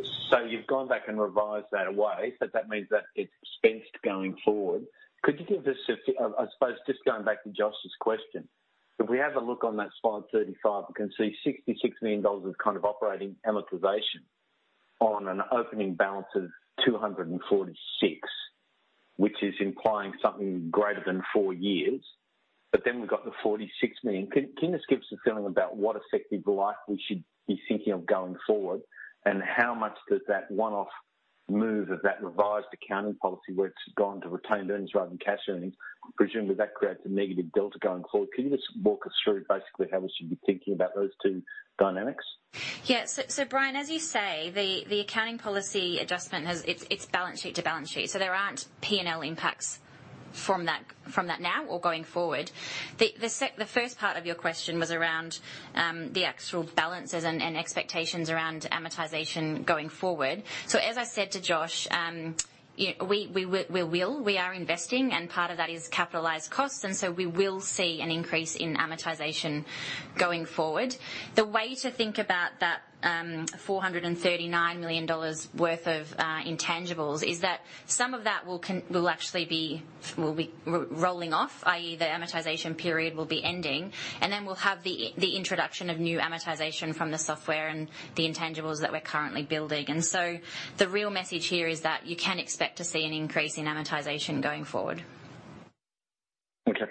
you've gone back and revised that away, so that means that it's expensed going forward. Could you give us, I suppose, just going back to Josh's question. If we have a look on that slide 35, we can see 66 million dollars of kind of operating amortization on an opening balance of 246, which is implying something greater than 4 years. But then we've got the 46 million. Can you just give us a feeling about what effective life we should be thinking of going forward, and how much does that one-off move of that revised accounting policy, where it's gone to retained earnings rather than cash earnings, presumably that creates a negative delta going forward. Can you just walk us through basically how we should be thinking about those two dynamics? Brian, as you say, the accounting policy adjustment has. It's balance sheet to balance sheet, so there aren't P&L impacts from that now or going forward. The first part of your question was around the actual balances and expectations around amortization going forward. As I said to Josh, you know, we will. We are investing, and part of that is capitalized costs, and so we will see an increase in amortization going forward. The way to think about that, 439 million dollars worth of intangibles is that some of that will actually be rolling off, i.e. the amortization period will be ending. Then we'll have the introduction of new amortization from the software and the intangibles that we're currently building. The real message here is that you can expect to see an increase in amortization going forward. Okay.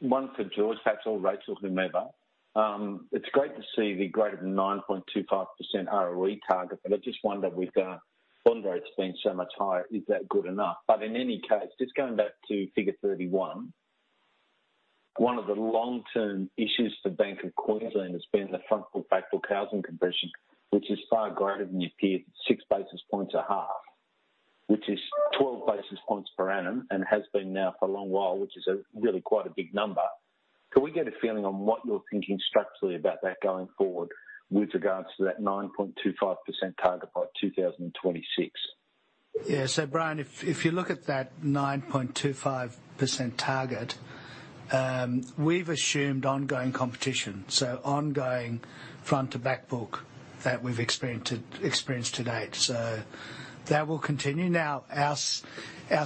One for George, perhaps or Racheal, whomever. It's great to see the greater than 9.25% ROE target, but I just wonder with bond rates being so much higher, is that good enough? In any case, just going back to figure 31, one of the long-term issues for Bank of Queensland has been the front-book back-book housing compression, which is far greater than your peer, 6 basis points a half, which is 12 basis points per annum, and has been now for a long while, which is a really quite a big number. Can we get a feeling on what you're thinking structurally about that going forward with regards to that 9.25% target by 2026? Yeah. Brian, if you look at that 9.25% target, we've assumed ongoing competition, so ongoing front to back book that we've experienced to date. That will continue. Our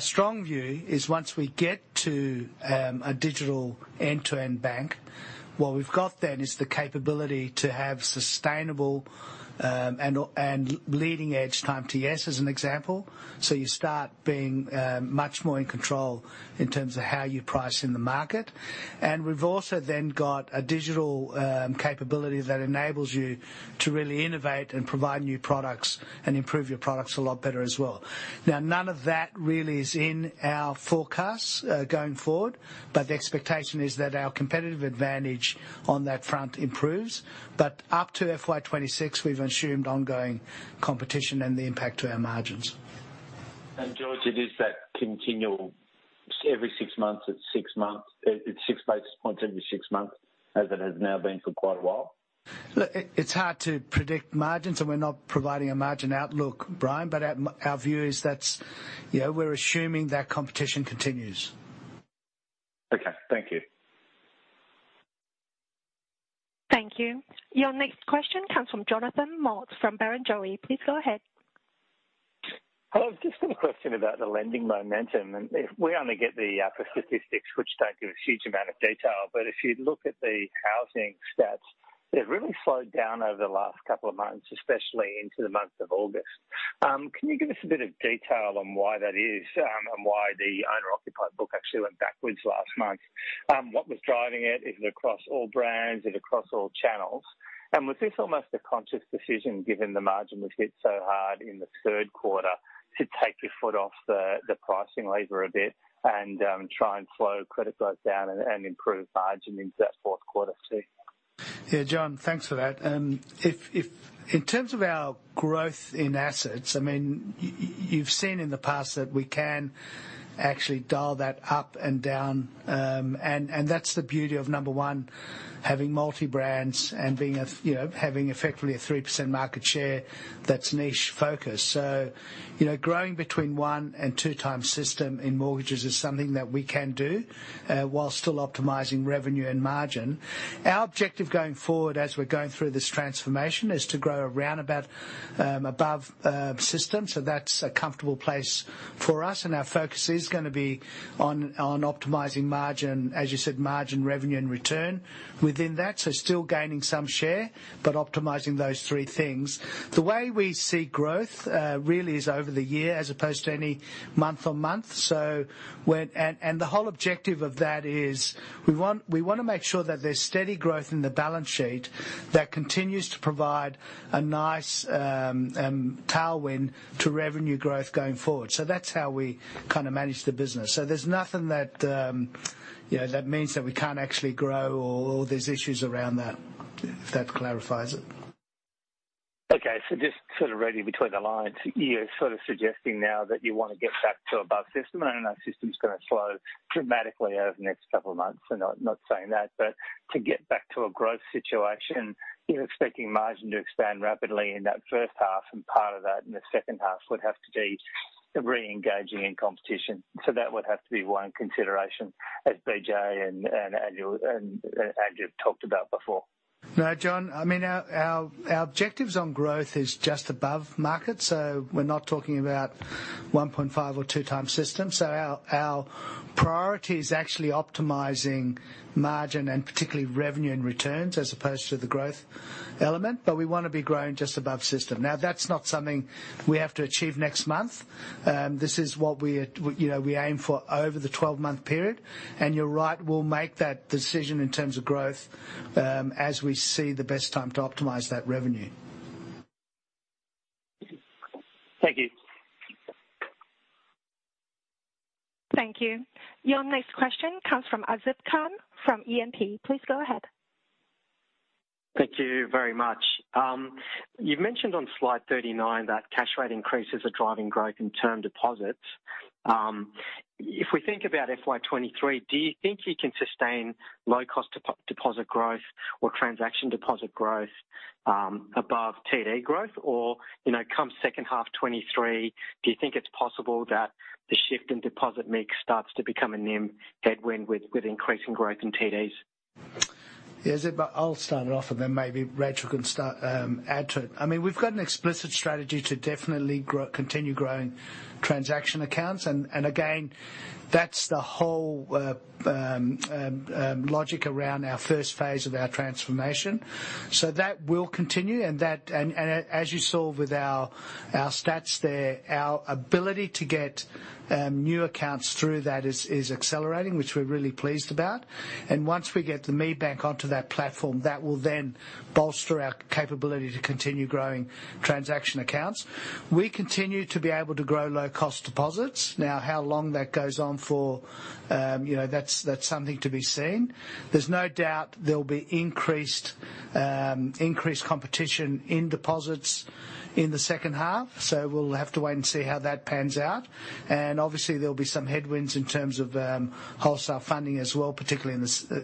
strong view is once we get to a digital end-to-end bank, what we've got then is the capability to have sustainable and leading edge T&Cs as an example. You start being much more in control in terms of how you price in the market. We've also then got a digital capability that enables you to really innovate and provide new products and improve your products a lot better as well. None of that really is in our forecast going forward, but the expectation is that our competitive advantage on that front improves. Up to FY 26, we've assumed ongoing competition and the impact to our margins. George, it is that continual every six months, it's six basis points every six months as it has now been for quite a while? Look, it's hard to predict margins, and we're not providing a margin outlook, Brian, but our view is that, you know, we're assuming that competition continues. Okay. Thank you. Thank you. Your next question comes from Jonathan Mott from Barrenjoey. Please go ahead. I've just got a question about the lending momentum. If we only get the statistics which don't give a huge amount of detail, but if you look at the housing stats, they've really slowed down over the last couple of months, especially into the month of August. Can you give us a bit of detail on why that is, and why the owner-occupier book actually went backwards last month? What was driving it? Is it across all brands? Is it across all channels? Was this almost a conscious decision, given the margin was hit so hard in the Q3, to take your foot off the pricing lever a bit and try and slow credit growth down and improve margin into that Q4 too? Yeah, John, thanks for that. If in terms of our growth in assets, I mean, you've seen in the past that we can actually dial that up and down. And that's the beauty of, number one, having multi brands and being a, you know, having effectively a 3% market share that's niche focused. You know, growing between one and two times system in mortgages is something that we can do, while still optimizing revenue and margin. Our objective going forward, as we're going through this transformation, is to grow around about above system. That's a comfortable place for us, and our focus is gonna be on optimizing margin, as you said, margin revenue and return within that. Still gaining some share, but optimizing those three things. The way we see growth, really is over the year, as opposed to any month-on-month. And the whole objective of that is we want, we wanna make sure that there's steady growth in the balance sheet that continues to provide a nice tailwind to revenue growth going forward. That's how we kind of manage the business. There's nothing that, you know, that means that we can't actually grow or there's issues around that, if that clarifies it. Okay. Just sort of reading between the lines, you're sort of suggesting now that you want to get back to above system. I don't know if the system's gonna slow dramatically over the next couple of months. I'm not saying that. To get back to a growth situation, you're expecting margin to expand rapidly in that first half, and part of that in the second half would have to be reengaging in competition. That would have to be one consideration, as BJ and Andrew talked about before. No, John, I mean, our objectives on growth is just above market, so we're not talking about 1.5x or 2x system. Our priority is actually optimizing margin and particularly revenue and returns, as opposed to the growth element. We wanna be growing just above system. Now, that's not something we have to achieve next month. This is what we, you know, we aim for over the 12-month period. You're right, we'll make that decision in terms of growth, as we see the best time to optimize that revenue. Thank you. Thank you. Your next question comes from Azib Khan from E&P. Please go ahead. Thank you very much. You've mentioned on slide 39 that cash rate increases are driving growth in term deposits. If we think about FY 2023, do you think you can sustain low-cost deposit growth or transaction deposit growth above TD growth? Or, you know, come second half 2023, do you think it's possible that the shift in deposit mix starts to become a NIM headwind with increasing growth in TDs? Yeah, Azib, I'll start it off and then maybe Racheal can start, add to it. I mean, we've got an explicit strategy to definitely grow, continue growing transaction accounts. Again, that's the whole logic around our first phase of our transformation. That will continue. As you saw with our stats there, our ability to get new accounts through that is accelerating, which we're really pleased about. Once we get the ME Bank onto that platform, that will then bolster our capability to continue growing transaction accounts. We continue to be able to grow low-cost deposits. Now, how long that goes on for, you know, that's something to be seen. There's no doubt there'll be increased competition in deposits in the second half, so we'll have to wait and see how that pans out. Obviously there'll be some headwinds in terms of, wholesale funding as well, particularly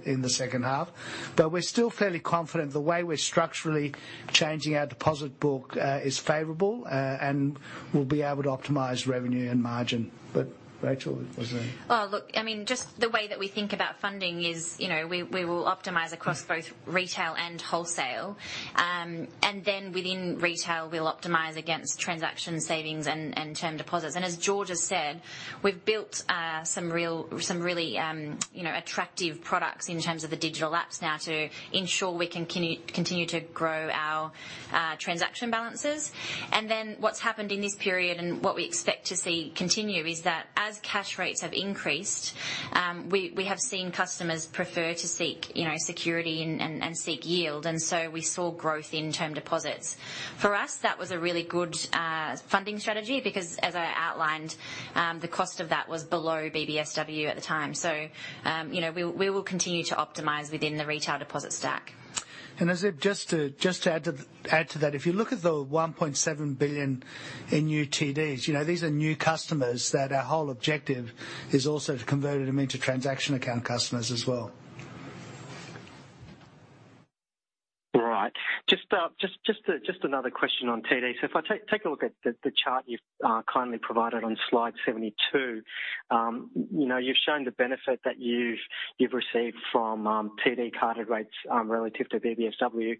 in the second half. We're still fairly confident the way we're structurally changing our deposit book, is favorable, and we'll be able to optimize revenue and margin. Racheal, was there? Oh, look, I mean, just the way that we think about funding is, you know, we will optimize across both retail and wholesale. Then within retail, we'll optimize against transaction savings and term deposits. As George has said, we've built some really, you know, attractive products in terms of the digital apps now to ensure we can continue to grow our transaction balances. Then what's happened in this period and what we expect to see continue is that as cash rates have increased, we have seen customers prefer to seek, you know, security and seek yield. So we saw growth in term deposits. For us, that was a really good funding strategy because as I outlined, the cost of that was below BBSW at the time. You know, we will continue to optimize within the retail deposit stack. Azib, just to add to that, if you look at the 1.7 billion in new TDs, you know, these are new customers that our whole objective is also to convert them into transaction account customers as well. All right. Just another question on TD. If I take a look at the chart you've kindly provided on slide 72, you know, you've shown the benefit that you've received from TD carded rates relative to BBSW.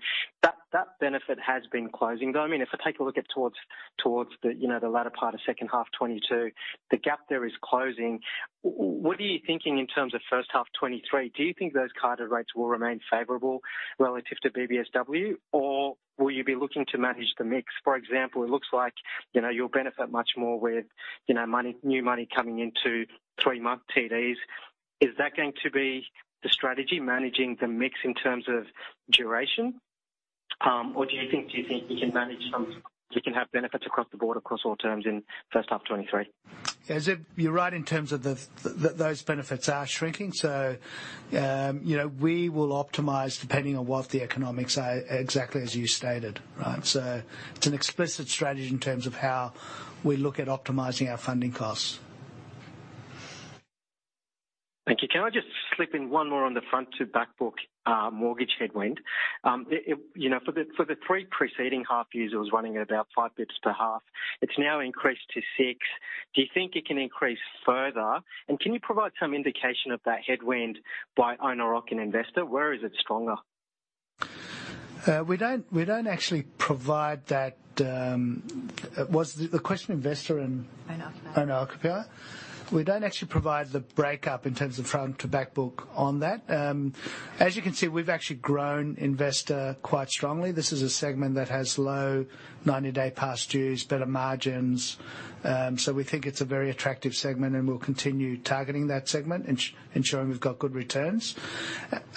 That benefit has been closing, though. I mean, if I take a look at toward the latter part of second half 2022, the gap there is closing. What are you thinking in terms of first half 2023? Do you think those carded rates will remain favorable relative to BBSW? Or will you be looking to manage the mix? For example, it looks like, you know, you'll benefit much more with new money coming into 3-month TDs. Is that going to be the strategy, managing the mix in terms of duration? Do you think you can have benefits across the board, across all terms in first half 2023? Yeah, Azib, you're right in terms of the those benefits are shrinking. We will optimize depending on what the economics are, exactly as you stated, right? It's an explicit strategy in terms of how we look at optimizing our funding costs. Thank you. Can I just slip in one more on the front to back book, mortgage headwind? You know, for the 3 preceding half-years, it was running at about 5 bps per half. It's now increased to 6. Do you think it can increase further? Can you provide some indication of that headwind by owner-occupier and investor? Where is it stronger? We don't actually provide that. Was the question investor and Owner occupier. Owner occupier. We don't actually provide the break up in terms of front to back book on that. As you can see, we've actually grown investor quite strongly. This is a segment that has low 90-day past dues, better margins. So we think it's a very attractive segment, and we'll continue targeting that segment, ensuring we've got good returns.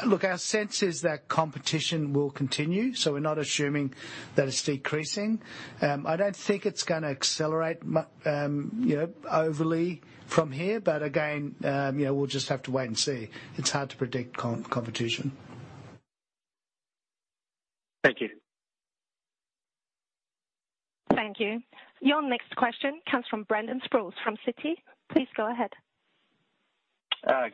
Look, our sense is that competition will continue, so we're not assuming that it's decreasing. I don't think it's gonna accelerate, you know, overly from here. Again, you know, we'll just have to wait and see. It's hard to predict competition. Thank you. Thank you. Your next question comes from Brendan Sproules from Citi. Please go ahead.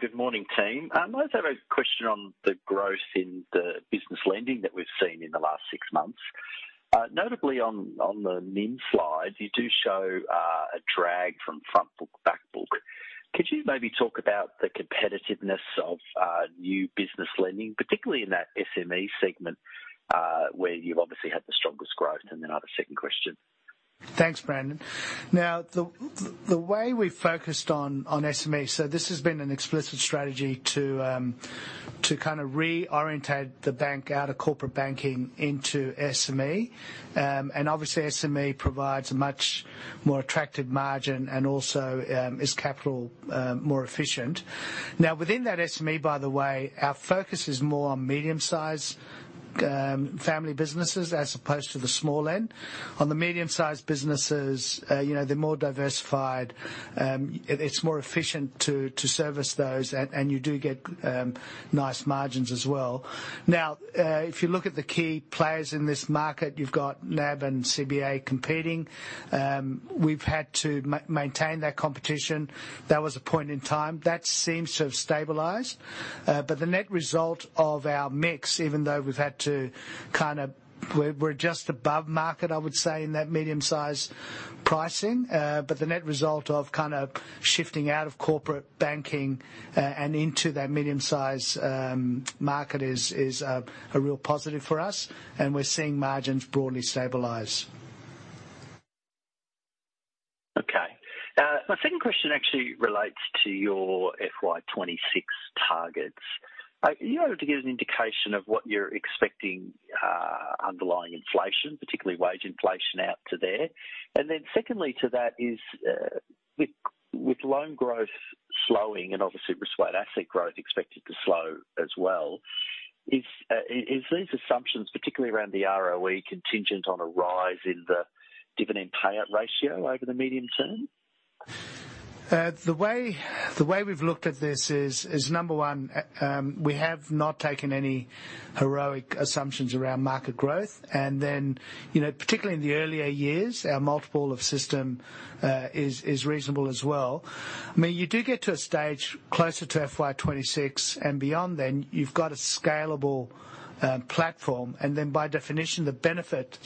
Good morning, team. I just have a question on the growth in the business lending that we've seen in the last six months. Notably on the NIM slide, you do show a drag from front book, back book. Could you maybe talk about the competitiveness of new business lending, particularly in that SME segment, where you've obviously had the strongest growth? Then I have a second question. Thanks, Brendan. Now, the way we've focused on SME, so this has been an explicit strategy to kind of reorient the bank out of corporate banking into SME. Obviously SME provides a much more attractive margin and also is capital more efficient. Now, within that SME, by the way, our focus is more on medium-sized family businesses as opposed to the small end. On the medium-sized businesses, you know, they're more diversified. It's more efficient to service those and you do get nice margins as well. Now, if you look at the key players in this market, you've got NAB and CBA competing. We've had to maintain that competition. That was a point in time. That seems to have stabilized. The net result of our mix. We're just above market, I would say, in that medium size pricing. The net result of kind of shifting out of corporate banking and into that medium-size market is a real positive for us, and we're seeing margins broadly stabilize. Okay. My second question actually relates to your FY 26 targets. Are you able to give an indication of what you're expecting underlying inflation, particularly wage inflation out to there? Secondly to that is, with loan growth slowing and obviously risk-weighted asset growth expected to slow as well, is these assumptions, particularly around the ROE, contingent on a rise in the dividend payout ratio over the medium term? The way we've looked at this is number one, we have not taken any heroic assumptions around market growth. Then, you know, particularly in the earlier years, our multiple of system is reasonable as well. I mean, you do get to a stage closer to FY 2026 and beyond, then, you've got a scalable platform. Then by definition, the benefit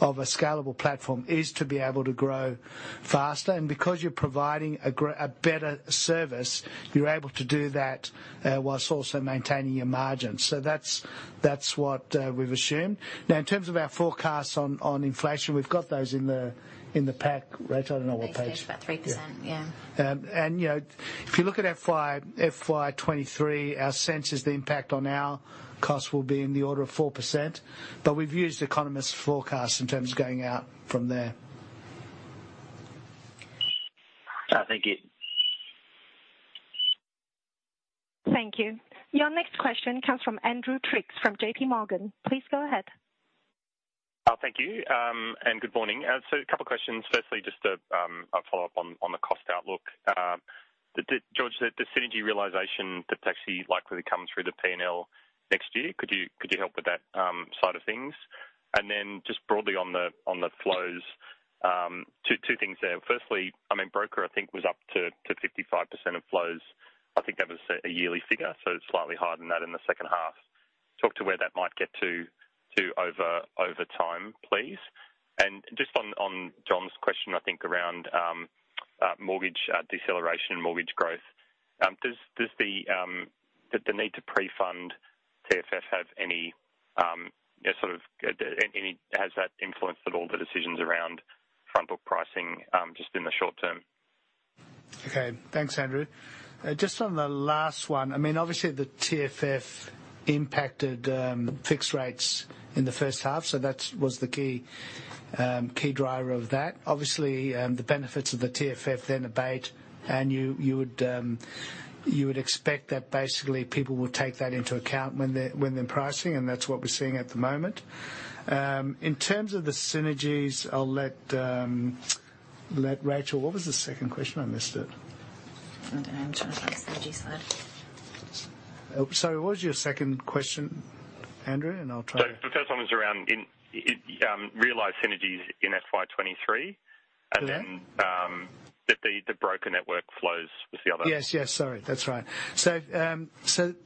of a scalable platform is to be able to grow faster. Because you're providing a better service, you're able to do that while also maintaining your margins. So that's what we've assumed. Now, in terms of our forecasts on inflation, we've got those in the pack. Racheal, I don't know what page. I think it's about 3%, yeah. You know, if you look at FY 23, our sense is the impact on our costs will be in the order of 4%, but we've used economists' forecasts in terms of going out from there. Thank you. Thank you. Your next question comes from Andrew Triggs from J.P. Morgan. Please go ahead. Thank you, good morning. A couple questions. Firstly, just a follow-up on the cost outlook. George, the synergy realization that's actually likely to come through the P&L next year, could you help with that side of things? Just broadly on the flows, 2 things there. Firstly, I mean, broker I think was up to 55% of flows. I think that was a yearly figure, so slightly higher than that in the second half. Talk to where that might get to over time, please. Just on John's question, I think around mortgage deceleration and mortgage growth, does the need to prefund TFF have any, you know, sort of any. Has that influenced at all the decisions around front book pricing, just in the short-term? Okay, thanks, Andrew. Just on the last one, I mean, obviously, the TFF impacted fixed rates in the first half, so that was the key driver of that. Obviously, the benefits of the TFF then abate and you would expect that basically people will take that into account when they're pricing, and that's what we're seeing at the moment. In terms of the synergies, I'll let Racheal. What was the second question? I missed it. Hold on. I'm just trying to find the synergy slide. Sorry, what was your second question, Andrew? I'll try- The first one was around realized synergies in FY 2023. Mm-hmm. The broker network flows was the other one. Yes, yes. Sorry. That's right.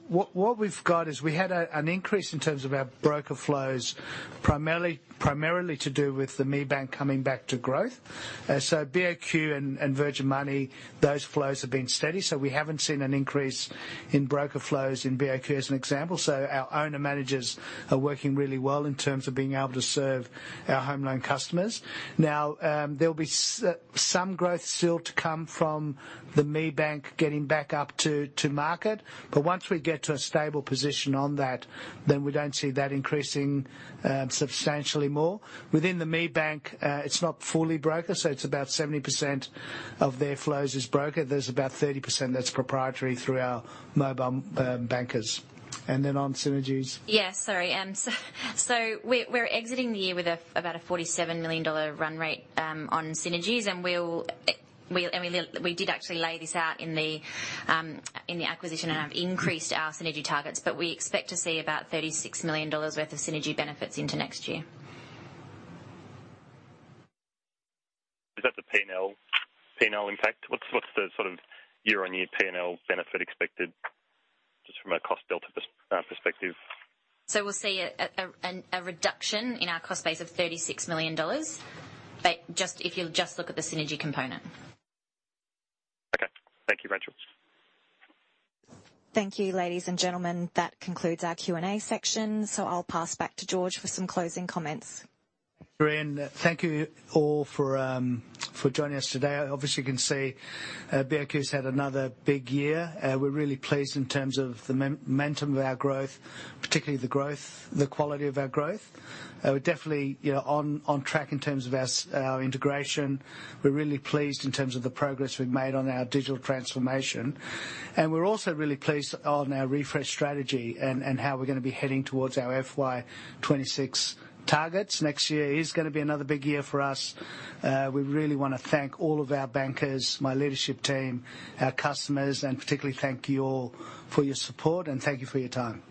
What we've got is we had an increase in terms of our broker flows primarily to do with the ME Bank coming back to growth. BOQ and Virgin Money, those flows have been steady, so we haven't seen an increase in broker flows in BOQ as an example. Our owner managers are working really well in terms of being able to serve our home loan customers. Now, there'll be some growth still to come from the ME Bank getting back up to market, but once we get to a stable position on that, then we don't see that increasing substantially more. Within the ME Bank, it's not fully brokered, so it's about 70% of their flows is broker. There's about 30% that's proprietary through our mobile bankers. On synergies. Yeah, sorry. We're exiting the year with about 47 million dollar run rate on synergies and we did actually lay this out in the acquisition and have increased our synergy targets, but we expect to see about 36 million dollars worth of synergy benefits into next year. Is that the P&L impact? What's the sort of year-on-year P&L benefit expected just from a cost delta perspective? We'll see a reduction in our cost base of 36 million dollars, but if you just look at the synergy component. Okay. Thank you, Racheal. Thank you, ladies and gentlemen. That concludes our Q&A section, so I'll pass back to George for some closing comments. Marianne, thank you all for joining us today. Obviously, you can see BOQ's had another big year. We're really pleased in terms of the momentum of our growth, particularly the growth, the quality of our growth. We're definitely, you know, on track in terms of our integration. We're really pleased in terms of the progress we've made on our digital transformation, and we're also really pleased on our refresh strategy and how we're gonna be heading towards our FY 26 targets. Next year is gonna be another big year for us. We really wanna thank all of our bankers, my leadership team, our customers, and particularly thank you all for your support, and thank you for your time.